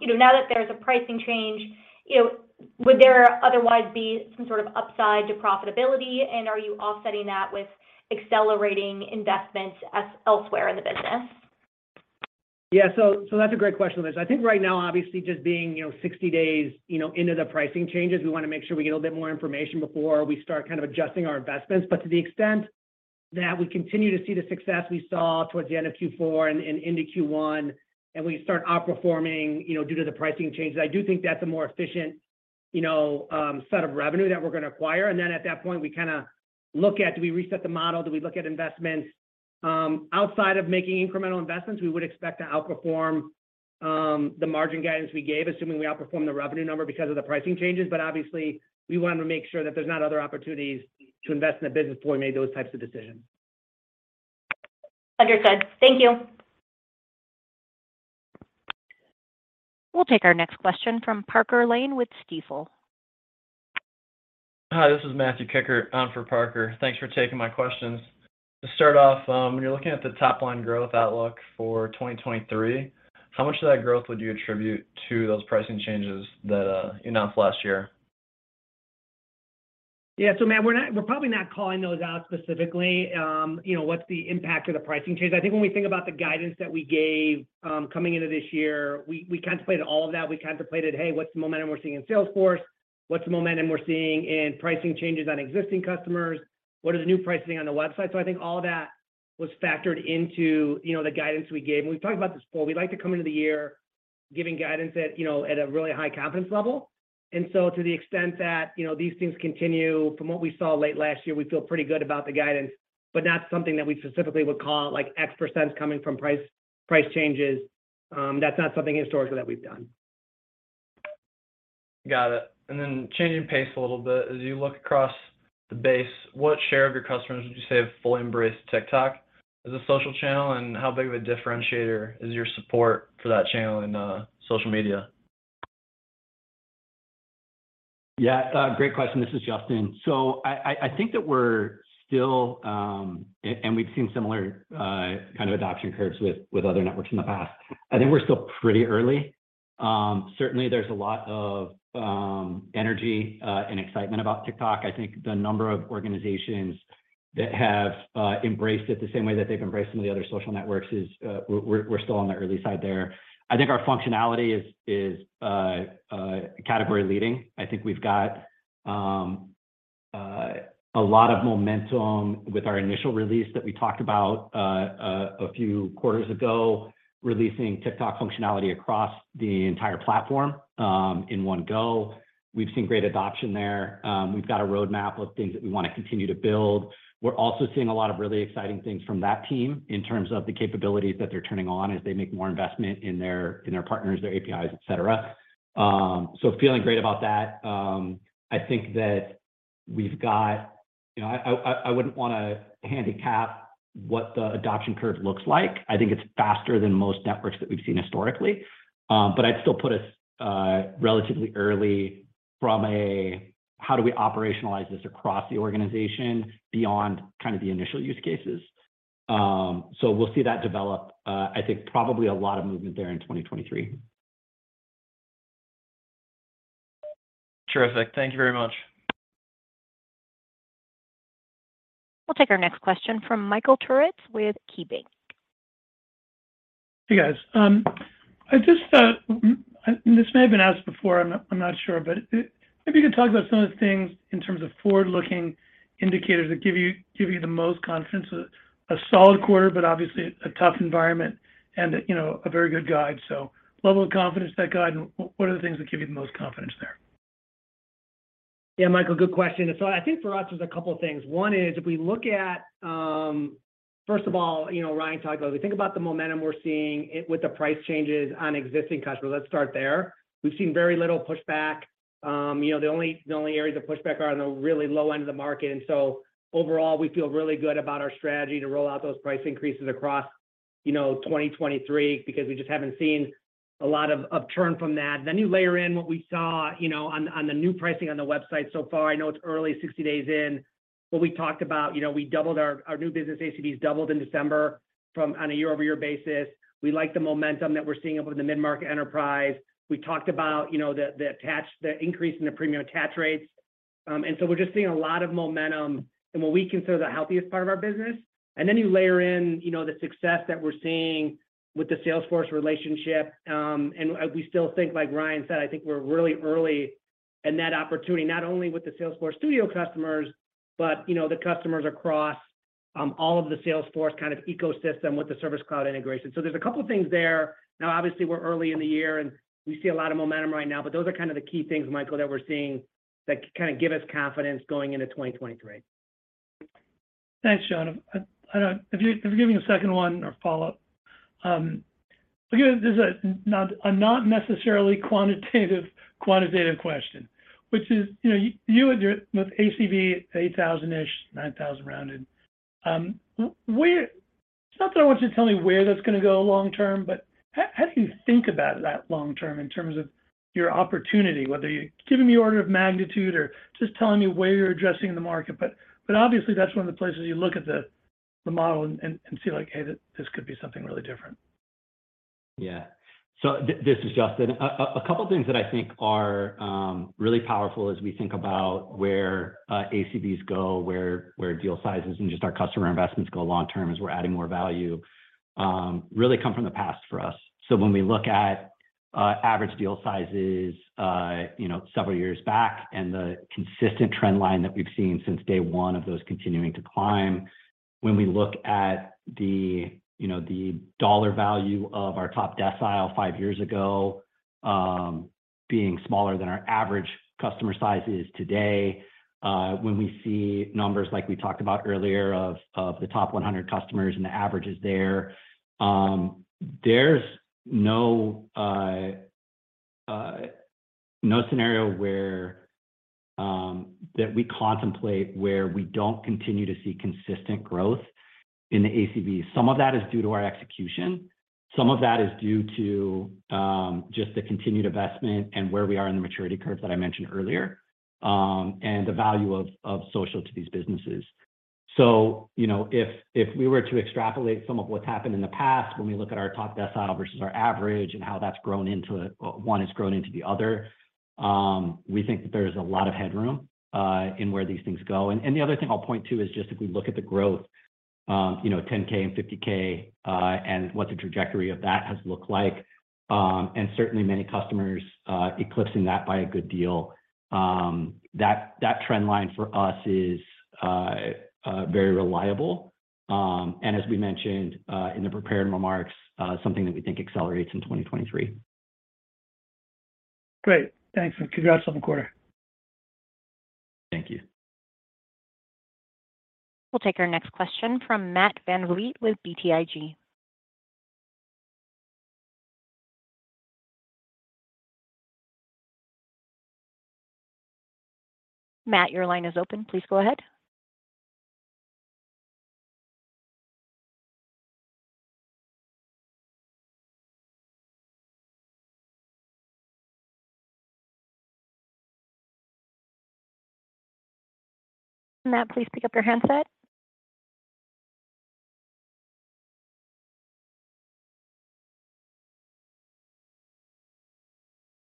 Speaker 8: you know, now that there's a pricing change, you know, would there otherwise be some sort of upside to profitability, and are you offsetting that with accelerating investments as elsewhere in the business?
Speaker 4: That's a great question, Liz. I think right now obviously just being, you know, 60 days, you know, into the pricing changes, we wanna make sure we get a little bit more information before we start kind of adJustyng our investments. To the extent that we continue to see the success we saw towards the end of Q4 and into Q1, and we start outperforming, you know, due to the pricing changes, I do think that's a more efficient, you know, set of revenue that we're gonna acquire. Then at that point we kinda look at do we reset the model, do we look at investments. Outside of making incremental investments, we would expect to outperform the margin guidance we gave, assuming we outperform the revenue number because of the pricing changes. Obviously we wanna make sure that there's not other opportunities to invest in the business before we make those types of decisions.
Speaker 8: Understood. Thank you.
Speaker 1: We'll take our next question from Parker Lane with Stifel.
Speaker 9: Hi, this is Matthew Kikkert on for Parker. Thanks for taking my questions. To start off, when you're looking at the top line growth outlook for 2023, how much of that growth would you attribute to those pricing changes that you announced last year?
Speaker 4: Yeah. Matt, we're probably not calling those out specifically, you know, what's the impact of the pricing change. I think when we think about the guidance that we gave, coming into this year, we contemplated all of that. We contemplated, hey, what's the momentum we're seeing in Salesforce? What's the momentum we're seeing in pricing changes on existing customers? What is the new pricing on the website? I think all of that was factored into, you know, the guidance we gave. We've talked about this before. We like to come into the year giving guidance at, you know, at a really high confidence level. To the extent that, you know, these things continue from what we saw late last year, we feel pretty good about the guidance, but not something that we specifically would call out like X% coming from price changes. That's not something historically that we've done.
Speaker 9: Got it. Changing pace a little bit, as you look across the base, what share of your customers would you say have fully embraced TikTok as a social channel, and how big of a differentiator is your support for that channel in social media?
Speaker 3: Yeah. Great question. This is Justyn. I think that we're still. We've seen similar kind of adoption curves with other networks in the past. I think we're still pretty early. Certainly there's a lot of energy and excitement about TikTok. I think the number of organizations that have embraced it the same way that they've embraced some of the other social networks is we're still on the early side there. I think our functionality is category leading. I think we've got a lot of momentum with our initial release that we talked about a few quarters ago, releasing TikTok functionality across the entire platform in one go. We've seen great adoption there. We've got a roadmap of things that we wanna continue to build. We're also seeing a lot of really exciting things from that team in terms of the capabilities that they're turning on as they make more investment in their partners, their APIs, et cetera. Feeling great about that. I think that we've got, you know, I wouldn't wanna handicap what the adoption curve looks like. I think it's faster than most networks that we've seen historically. I'd still put us relatively early from a how do we operationalize this across the organization beyond kinda the initial use cases. We'll see that develop. I think probably a lot of movement there in 2023.
Speaker 9: Terrific. Thank you very much.
Speaker 1: We'll take our next question from Michael Turits with KeyBanc.
Speaker 10: Hey, guys. I just, this may have been asked before, I'm not, I'm not sure. If you could talk about some of the things in terms of forward-looking indicators that give you the most confidence. A solid quarter, obviously a tough environment and, you know, a very good guide. Level of confidence, that guide, and what are the things that give you the most confidence there?
Speaker 5: Michael, good question. I think for us there's a couple things. One is if we look at, first of all, you know, Ryan talked about, if we think about the momentum we're seeing with the price changes on existing customers. Let's start there. We've seen very little pushback. You know, the only areas of pushback are on the really low end of the market. Overall, we feel really good about our strategy to roll out those price increases across, you know, 2023 because we just haven't seen a lot of upturn from that. You layer in what we saw, you know, on the new pricing on the website so far. I know it's early, 60 days in. What we talked about, you know, we doubled our new business ACV doubled in December from on a year-over-year basis. We like the momentum that we're seeing up in the mid-market enterprise. We talked about, you know, the attach, the increase in the premium attach rates. We're just seeing a lot of momentum in what we consider the healthiest part of our business. Then you layer in, you know, the success that we're seeing with the Salesforce relationship, and we still think, like Ryan said, I think we're really early in that opportunity, not only with the Social Studio customers, but, you know, the customers across all of the Salesforce kind of ecosystem with the Service Cloud integration. There's a couple things there. Obviously we're early in the year, and we see a lot of momentum right now, but those are kind of the key things, Michael, that we're seeing that kinda give us confidence going into 2023.
Speaker 10: Thanks, Joe. I don't. If I could give you a second one or follow-up. Again, this is a not necessarily quantitative question, which is, you know, with ACV $8,000-ish, $9,000 rounded. It's not that I want you to tell me where that's gonna go long term, but how do you think about that long term in terms of your opportunity, whether you're giving the order of magnitude or just telling me where you're addressing the market, but obviously that's one of the places you look at the model and see like, hey, this could be something really different.
Speaker 3: Yeah. This is Justyn. A couple things that I think are really powerful as we think about where ACVs go, where deal sizes and just our customer investments go long term as we're adding more value, really come from the past for us. When we look at average deal sizes, you know, several years back and the consistent trend line that we've seen since day one of those continuing to climb. When we look at the, you know, the dollar value of our top decile 5 years ago, being smaller than our average customer size is today. When we see numbers like we talked about earlier of the top 100 customers and the averages there's no scenario where that we contemplate where we don't continue to see consistent growth in the ACV. Some of that is due to our execution, some of that is due to just the continued investment and where we are in the maturity curve that I mentioned earlier, and the value of social to these businesses. You know, if we were to extrapolate some of what's happened in the past when we look at our top decile versus our average and how that's grown into one has grown into the other, we think that there's a lot of headroom in where these things go. The other thing I'll point to is just if we look at the growth, you know, 10K and 50K, and what the trajectory of that has looked like, and certainly many customers eclipsing that by a good deal, that trend line for us is very reliable. As we mentioned in the prepared remarks, something that we think accelerates in 2023.
Speaker 10: Great. Thanks, and congrats on the quarter.
Speaker 3: Thank you.
Speaker 1: We'll take our next question from Matt VanVliet with BTIG. Matt, your line is open. Please go ahead. Matt, please pick up your handset.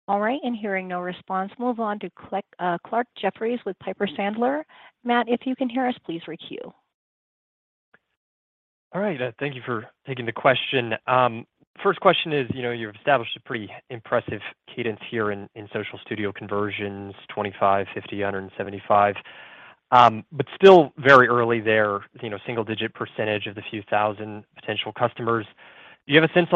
Speaker 1: All right. Hearing no response, move on to Clarke Jeffries with Piper Sandler. Matt, if you can hear us, please re-queue.
Speaker 11: All right. Thank you for taking the question. First question is, you know, you've established a pretty impressive cadence here in Social Studio conversions, 25, 50, 175. Still very early there. You know, single-digit percentage of the few thousand potential customers. Do you have a sense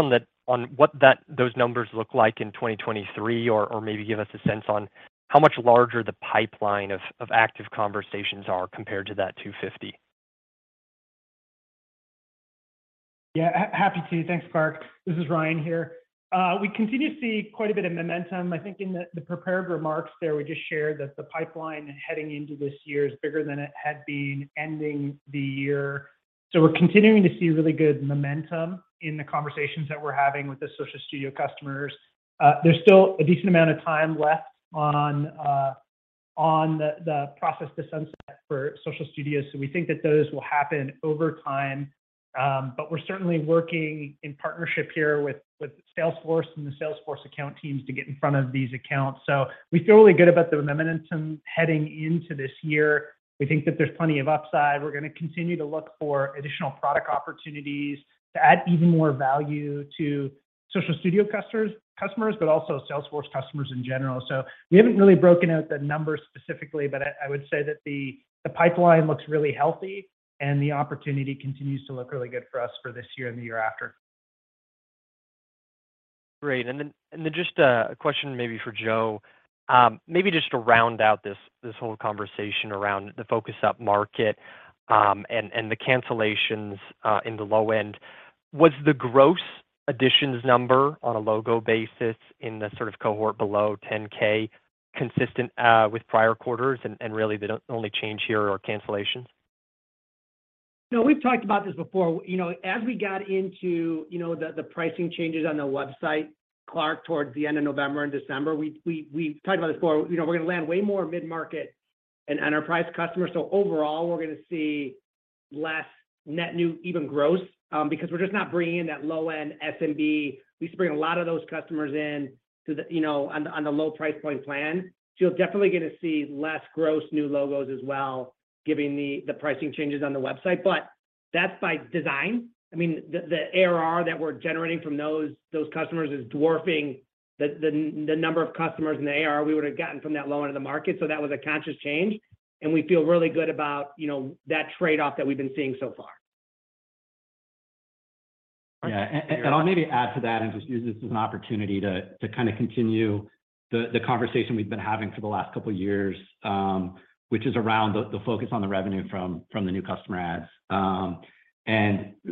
Speaker 11: on what those numbers look like in 2023? Maybe give us a sense on how much larger the pipeline of active conversations are compared to that 250?
Speaker 4: Yeah, happy to. Thanks, Clarke. This is Ryan here. We continue to see quite a bit of momentum. I think in the prepared remarks there, we just shared that the pipeline heading into this year is bigger than it had been ending the year. We're continuing to see really good momentum in the conversations that we're having with the Social Studio customers. There's still a decent amount of time left on the process to sunset for Social Studio, we think that those will happen over time. We're certainly working in partnership here with Salesforce and the Salesforce account teams to get in front of these accounts. We feel really good about the momentum heading into this year. We think that there's plenty of upside. We're gonna continue to look for additional product opportunities to add even more value to Social Studio customers, but also Salesforce customers in general. We haven't really broken out the numbers specifically, but I would say that the pipeline looks really healthy and the opportunity continues to look really good for us for this year and the year after.
Speaker 11: Great. Just a question maybe for Joe, maybe just to round out this whole conversation around the focus up market, and the cancellations in the low end. Was the gross additions number on a logo basis in the sort of cohort below $10,000 consistent with prior quarters and really the only change here are cancellations?
Speaker 5: No, we've talked about this before. As we got into, the pricing changes on the website, Clarke, towards the end of November and December, we talked about this before. We're gonna land way more mid-market and enterprise customers. Overall, we're gonna see less net new even gross, because we're just not bringing in that low-end SMB. We used to bring a lot of those customers in to the, on the low price point plan. You'll definitely gonna see less gross new logos as well, giving the pricing changes on the website. That's by design. I mean, the ARR that we're generating from those customers is dwarfing the number of customers in the ARR we would have gotten from that low end of the market. That was a conscious change, and we feel really good about, you know, that trade-off that we've been seeing so far.
Speaker 3: Yeah. I'll maybe add to that and just use this as an opportunity to kind of continue the conversation we've been having for the last couple of years, which is around the focus on the revenue from the new customer adds.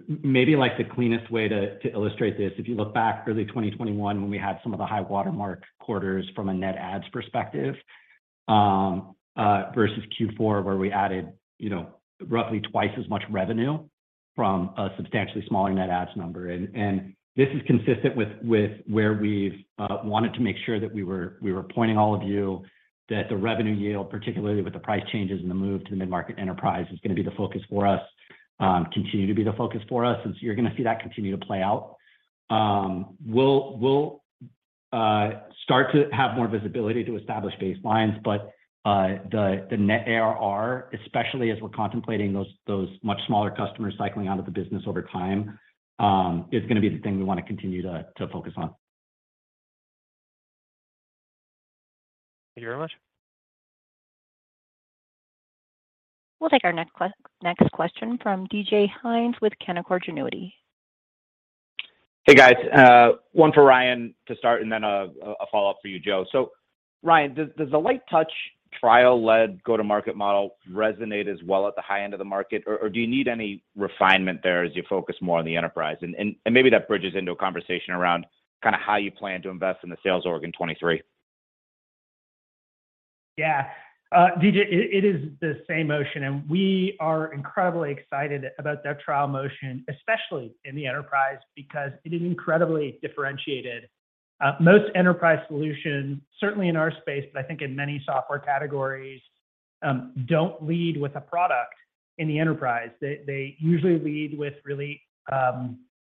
Speaker 3: Maybe, like the cleanest way to illustrate this, if you look back early 2021 when we had some of the high watermark quarters from a net adds perspective, versus Q4, where we added, you know, roughly twice as much revenue from a substantially smaller net adds number. This is consistent with where we've wanted to make sure that we were pointing all of you that the revenue yield, particularly with the price changes and the move to the mid-market enterprise, is gonna be the focus for us, continue to be the focus for us. So you're gonna see that continue to play out. We'll start to have more visibility to establish baselines, but the net ARR, especially as we're contemplating those much smaller customers cycling out of the business over time, is gonna be the thing we wanna continue to focus on.
Speaker 11: Thank you very much.
Speaker 1: We'll take our next question from DJ Hynes with Canaccord Genuity.
Speaker 12: Hey, guys. One for Ryan Barretto to start and then a follow-up for you, Joseph Del Preto. Ryan Barretto, does the light touch trial lead go-to-market model resonate as well at the high end of the market? Do you need any refinement there as you focus more on the enterprise? Maybe that bridges into a conversation around kinda how you plan to invest in the sales org in 2023.
Speaker 4: Yeah. DJ, it is the same motion. We are incredibly excited about that trial motion, especially in the enterprise, because it is incredibly differentiated. Most enterprise solutions, certainly in our space, but I think in many software categories don't lead with a product in the enterprise. They usually lead with really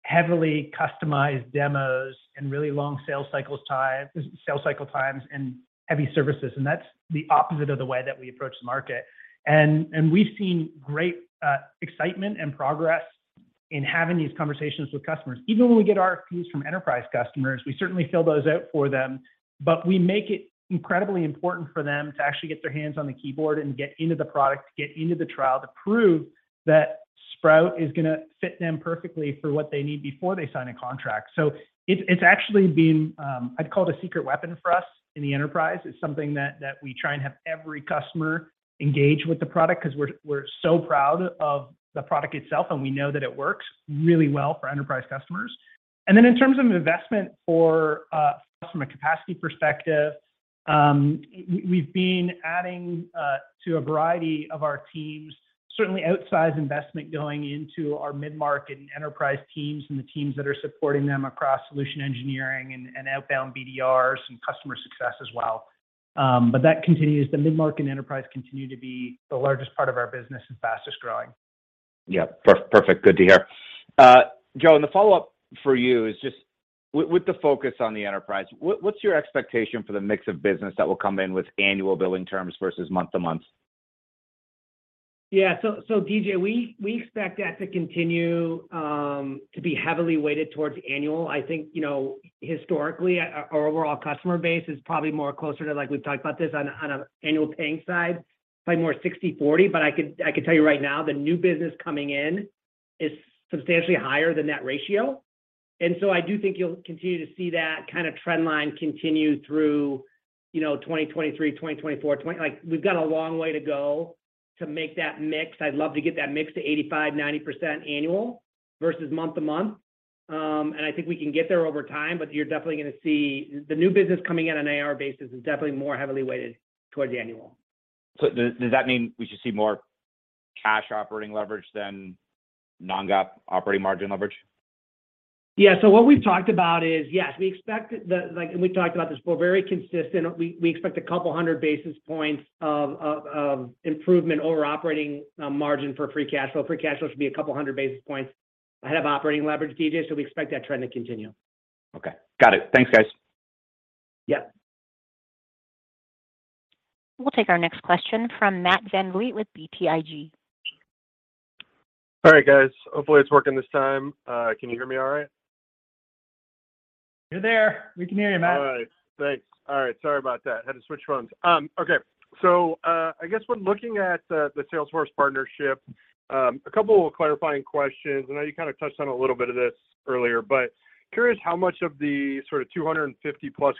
Speaker 4: heavily customized demos and really long sales cycle times and heavy services. That's the opposite of the way that we approach the market. We've seen great excitement and progress in having these conversations with customers. Even when we get RFPs from enterprise customers, we certainly fill those out for them, but we make it incredibly important for them to actually get their hands on the keyboard and get into the product, to get into the trial to prove that Sprout is gonna fit them perfectly for what they need before they sign a contract. It's, it's actually been, I'd call it a secret weapon for us in the enterprise. It's something that we try and have every customer engage with the product 'cause we're so proud of the product itself, and we know that it works really well for enterprise customers. In terms of investment for from a capacity perspective, we've been adding to a variety of our teams, certainly outsize investment going into our mid-market and enterprise teams and the teams that are supporting them across solution engineering and outbound BDRs and customer success as well. That continues. The mid-market enterprise continue to be the largest part of our business and fastest-growing.
Speaker 12: Yeah. Perfect. Good to hear. Joe, the follow-up for you is just with the focus on the enterprise, what's your expectation for the mix of business that will come in with annual billing terms versus month-to-month?
Speaker 5: DJ, we expect that to continue to be heavily weighted towards annual. I think, you know, historically, our overall customer base is probably more closer to, like, we've talked about this on a annual paying side, probably more 60/40. I could tell you right now that new business coming in is substantially higher than that ratio I do think you'll continue to see that kind of trend line continue through, you know, 2023, 2024. Like, we've got a long way to go to make that mix. I'd love to get that mix to 85%, 90% annual versus month-to-month. I think we can get there over time, but you're definitely gonna see the new business coming in on an AR basis is definitely more heavily weighted towards annual.
Speaker 12: Does that mean we should see more cash operating leverage than non-GAAP operating margin leverage?
Speaker 4: Yeah. What we've talked about is, yes, we expect and we talked about this, we're very consistent. We expect a couple hundred basis points of improvement over operating margin for free cash flow. Free cash flow should be a couple hundred basis points ahead of operating leverage, DJ. We expect that trend to continue.
Speaker 12: Okay. Got it. Thanks, guys.
Speaker 4: Yeah.
Speaker 1: We'll take our next question from Matt VanVliet with BTIG.
Speaker 13: All right, guys. Hopefully it's working this time. Can you hear me all right?
Speaker 4: You're there. We can hear you, Matt.
Speaker 13: All right. Thanks. All right. Sorry about that. Had to switch phones. Okay. I guess when looking at the Salesforce partnership, a couple of clarifying questions. I know you kinda touched on a little bit of this earlier, but curious how much of the sort of 250+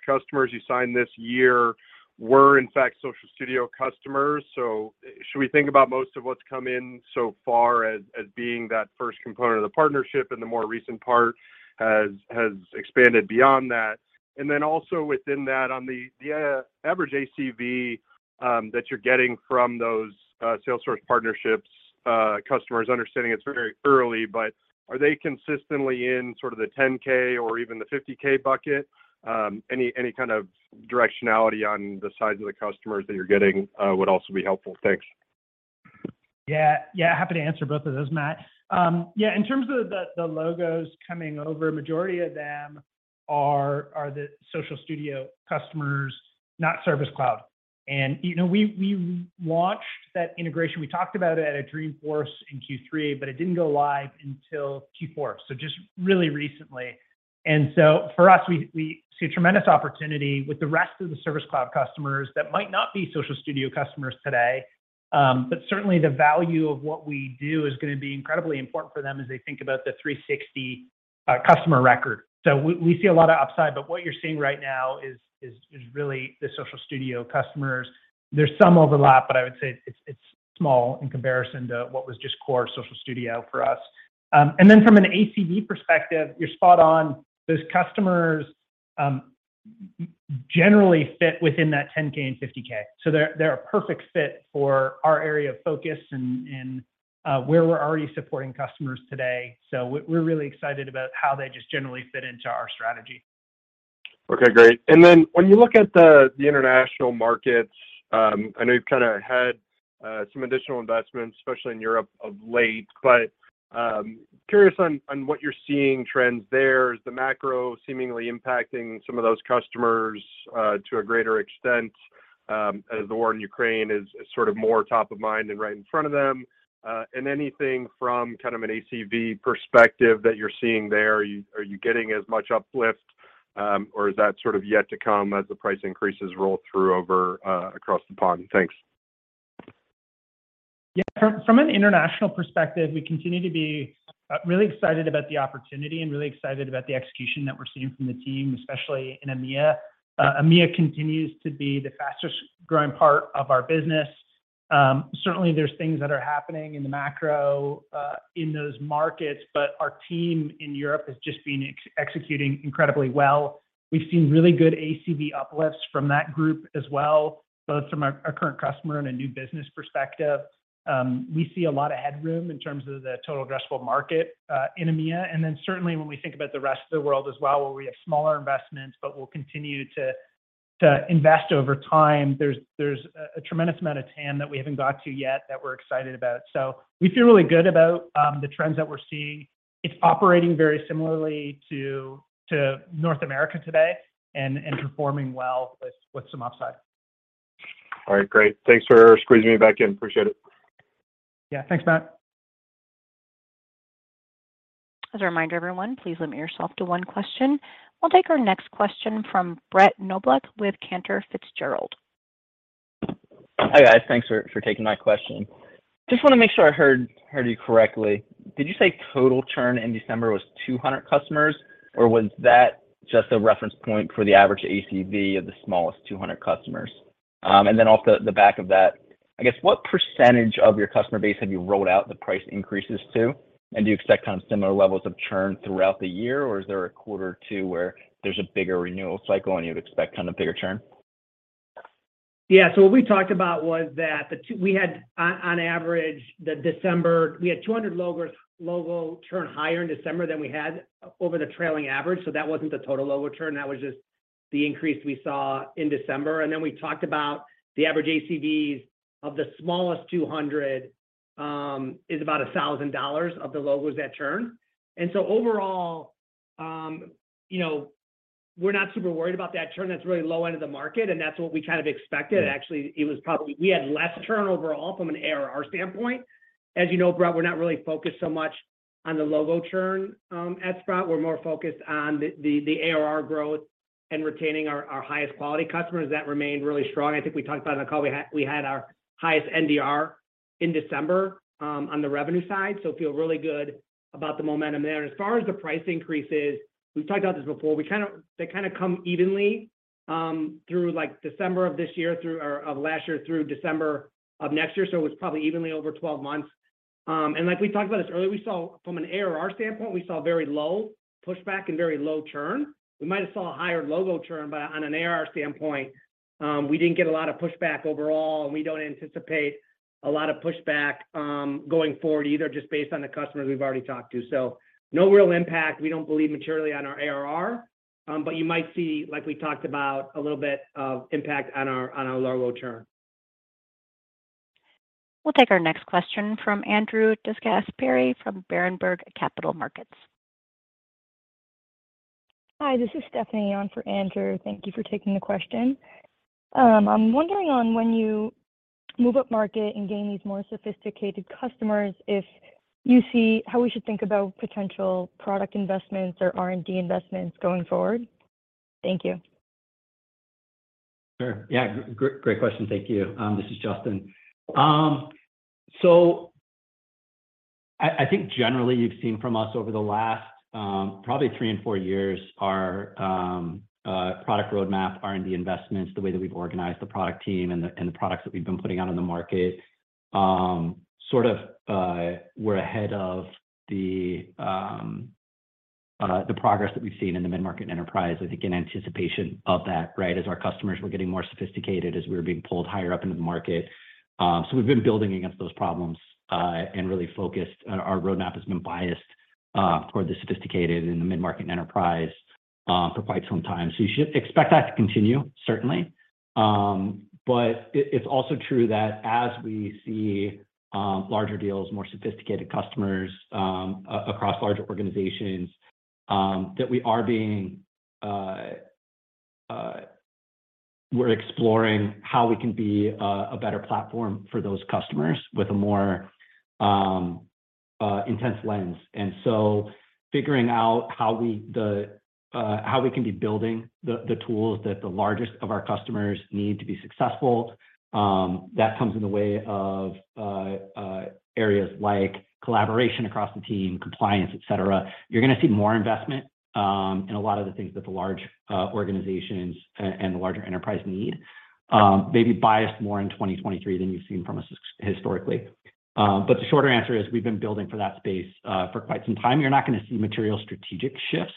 Speaker 13: customers you signed this year were in fact Social Studio customers. Should we think about most of what's come in so far as being that first component of the partnership and the more recent part has expanded beyond that? Then also within that, on the average ACV that you're getting from those Salesforce partnerships customers, understanding it's very early, but are they consistently in sort of the $10K or even the $50K bucket? Any, any kind of directionality on the size of the customers that you're getting, would also be helpful. Thanks.
Speaker 4: Yeah. Yeah, happy to answer both of those, Matt. Yeah, in terms of the logos coming over, majority of them are the Social Studio customers, not Service Cloud. You know, we launched that integration, we talked about it at Dreamforce in Q3, but it didn't go live until Q4, so just really recently. For us, we see a tremendous opportunity with the rest of the Service Cloud customers that might not be Social Studio customers today, but certainly the value of what we do is gonna be incredibly important for them as they think about the 360 customer record. So we see a lot of upside, but what you're seeing right now is really the Social Studio customers. There's some overlap, I would say it's small in comparison to what was just core Social Studio for us. From an ACV perspective, you're spot on. Those customers generally fit within that $10K and $50K, so they're a perfect fit for our area of focus and where we're already supporting customers today. We're really excited about how they just generally fit into our strategy.
Speaker 13: Okay, great. When you look at the international markets, I know you've kinda had some additional investments, especially in Europe of late, but curious on what you're seeing trends there. Is the macro seemingly impacting some of those customers to a greater extent as the war in Ukraine is sort of more top of mind and right in front of them? Anything from kind of an ACV perspective that you're seeing there? Are you getting as much uplift, or is that sort of yet to come as the price increases roll through over across the pond? Thanks.
Speaker 4: From an international perspective, we continue to be really excited about the opportunity and really excited about the execution that we're seeing from the team, especially in EMEA. EMEA continues to be the fastest growing part of our business. Certainly there's things that are happening in the macro in those markets, but our team in Europe has just been executing incredibly well. We've seen really good ACV uplifts from that group as well, both from a current customer and a new business perspective. We see a lot of headroom in terms of the Total Addressable Market in EMEA, and then certainly when we think about the rest of the world as well, where we have smaller investments, but we'll continue to invest over time. There's a tremendous amount of TAM that we haven't got to yet that we're excited about. We feel really good about the trends that we're seeing. It's operating very similarly to North America today and performing well with some upside.
Speaker 13: All right, great. Thanks for squeezing me back in. Appreciate it.
Speaker 4: Yeah. Thanks, Matt.
Speaker 1: As a reminder everyone, please limit yourself to one question. We'll take our next question from Brett Knoblauch with Cantor Fitzgerald.
Speaker 14: Hi guys. Thanks for taking my question. Just wanna make sure I heard you correctly. Did you say total churn in December was 200 customers, or was that just a reference point for the average ACV of the smallest 200 customers? Then off the back of that, I guess what % of your customer base have you rolled out the price increases to? Do you expect kind of similar levels of churn throughout the year, or is there a quarter two where there's a bigger renewal cycle and you'd expect kind of bigger churn?
Speaker 4: What we talked about was that the two, we had on average the December, we had 200 logo churn higher in December than we had over the trailing average, so that wasn't the total logo churn, that was just the increase we saw in December. Then we talked about the average ACVs of the smallest 200, is about $1,000 of the logos that churn. Overall, you know, we're not super worried about that churn. That's really low end of the market, and that's what we kind of expected. Actually, it was probably, we had less churn overall from an ARR standpoint. As you know, Brett, we're not really focused so much on the logo churn at Sprout. We're more focused on the ARR growth and retaining our highest quality customers. That remained really strong. I think we talked about on the call, we had our highest NDR. In December, on the revenue side. Feel really good about the momentum there. As far as the price increases, we've talked about this before. They kinda come evenly, through like December of last year through December of next year. It's probably evenly over 12 months. Like we talked about this earlier, we saw from an ARR standpoint, we saw very low pushback and very low churn. We might have saw a higher logo churn, but on an ARR standpoint, we didn't get a lot of pushback overall, and we don't anticipate a lot of pushback going forward either, just based on the customers we've already talked to. No real impact, we don't believe materially on our ARR, but you might see, like we talked about, a little bit of impact on our, on our logo churn.
Speaker 1: We'll take our next question from Andrew DeGasperi from Berenberg Capital Markets.
Speaker 15: Hi, this is Stephanie on for Andrew. Thank you for taking the question. I'm wondering on when you move up market and gain these more sophisticated customers, if you see how we should think about potential product investments or R&D investments going forward? Thank you.
Speaker 3: Sure. Yeah, great question. Thank you. This is Justyn. I think generally you've seen from us over the last probably three and four years our product roadmap, R&D investments, the way that we've organized the product team and the and the products that we've been putting out on the market sort of were ahead of the progress that we've seen in the mid-market enterprise. I think in anticipation of that, right? As our customers were getting more sophisticated, as we were being pulled higher up into the market, we've been building against those problems and really focused. Our roadmap has been biased toward the sophisticated and the mid-market enterprise for quite some time. You should expect that to continue, certainly. It, it's also true that as we see larger deals, more sophisticated customers across larger organizations, that we are being. We're exploring how we can be a better platform for those customers with a more intense lens. Figuring out how we the, how we can be building the tools that the largest of our customers need to be successful, that comes in the way of areas like collaboration across the team, compliance, et cetera. You're gonna see more investment in a lot of the things that the large organizations and the larger enterprise need. Maybe biased more in 2023 than you've seen from us historically. The shorter answer is we've been building for that space for quite some time. You're not gonna see material strategic shifts,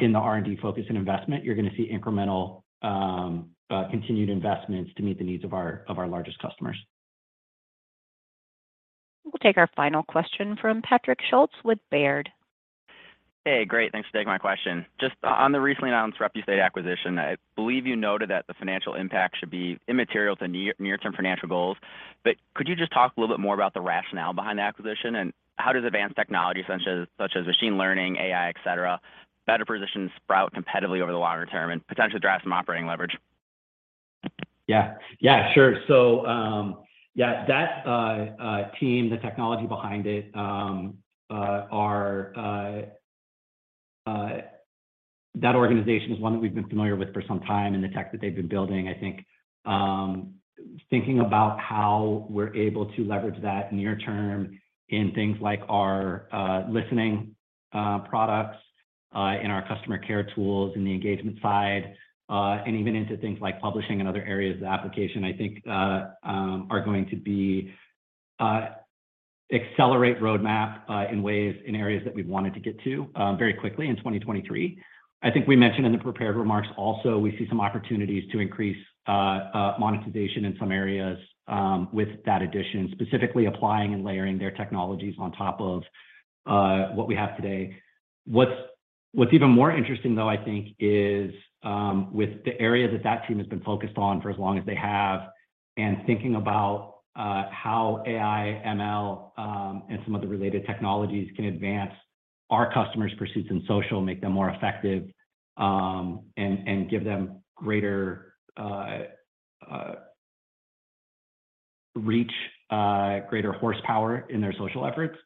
Speaker 3: in the R&D focus and investment. You're gonna see incremental, continued investments to meet the needs of our largest customers.
Speaker 1: We'll take our final question from Patrick Schultz with Baird.
Speaker 16: Hey, great. Thanks for taking my question. Just on the recently announced Repustate acquisition, I believe you noted that the financial impact should be immaterial to near-term financial goals. Could you just talk a little bit more about the rationale behind the acquisition and how does advanced technology such as machine learning, AI, et cetera, better position Sprout competitively over the longer term and potentially drive some operating leverage?
Speaker 3: Yeah. Yeah, sure. That team, the technology behind it. That organization is one that we've been familiar with for some time and the tech that they've been building, I think, thinking about how we're able to leverage that near term in things like our listening products, in our customer care tools in the engagement side, and even into things like publishing and other areas of the application, I think, are going to be accelerate roadmap in ways, in areas that we've wanted to get to, very quickly in 2023. I think we mentioned in the prepared remarks also we see some opportunities to increase monetization in some areas, with that addition, specifically applying and layering their technologies on top of what we have today. What's even more interesting though, I think, is with the area that that team has been focused on for as long as they have, and thinking about how AI, ML, and some of the related technologies can advance our customers' pursuits in social, make them more effective, and give them greater reach, greater horsepower in their social efforts,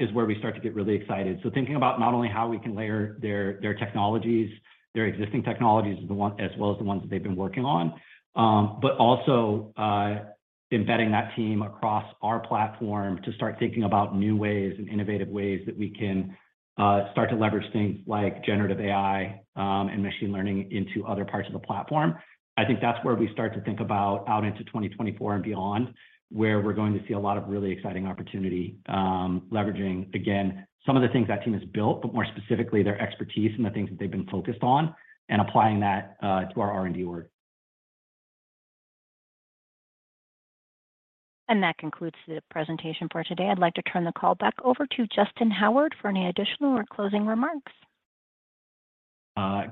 Speaker 3: is where we start to get really excited. Thinking about not only how we can layer their technologies, their existing technologies as well as the ones that they've been working on, but also embedding that team across our platform to start thinking about new ways and innovative ways that we can start to leverage things like generative AI and machine learning into other parts of the platform. I think that's where we start to think about out into 2024 and beyond, where we're going to see a lot of really exciting opportunity, leveraging, again, some of the things that team has built, but more specifically their expertise and the things that they've been focused on, and applying that to our R&D work.
Speaker 1: That concludes the presentation for today. I'd like to turn the call back over to Justyn Howard for any additional or closing remarks.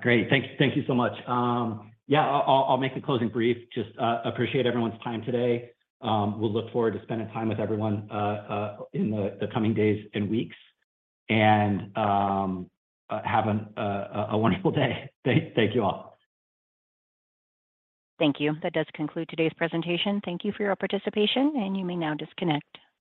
Speaker 3: Great. Thank you so much. Yeah, I'll make the closing brief. Just appreciate everyone's time today. We'll look forward to spending time with everyone in the coming days and weeks. Have a wonderful day. Thank you all.
Speaker 1: Thank you. That does conclude today's presentation. Thank you for your participation, and you may now disconnect.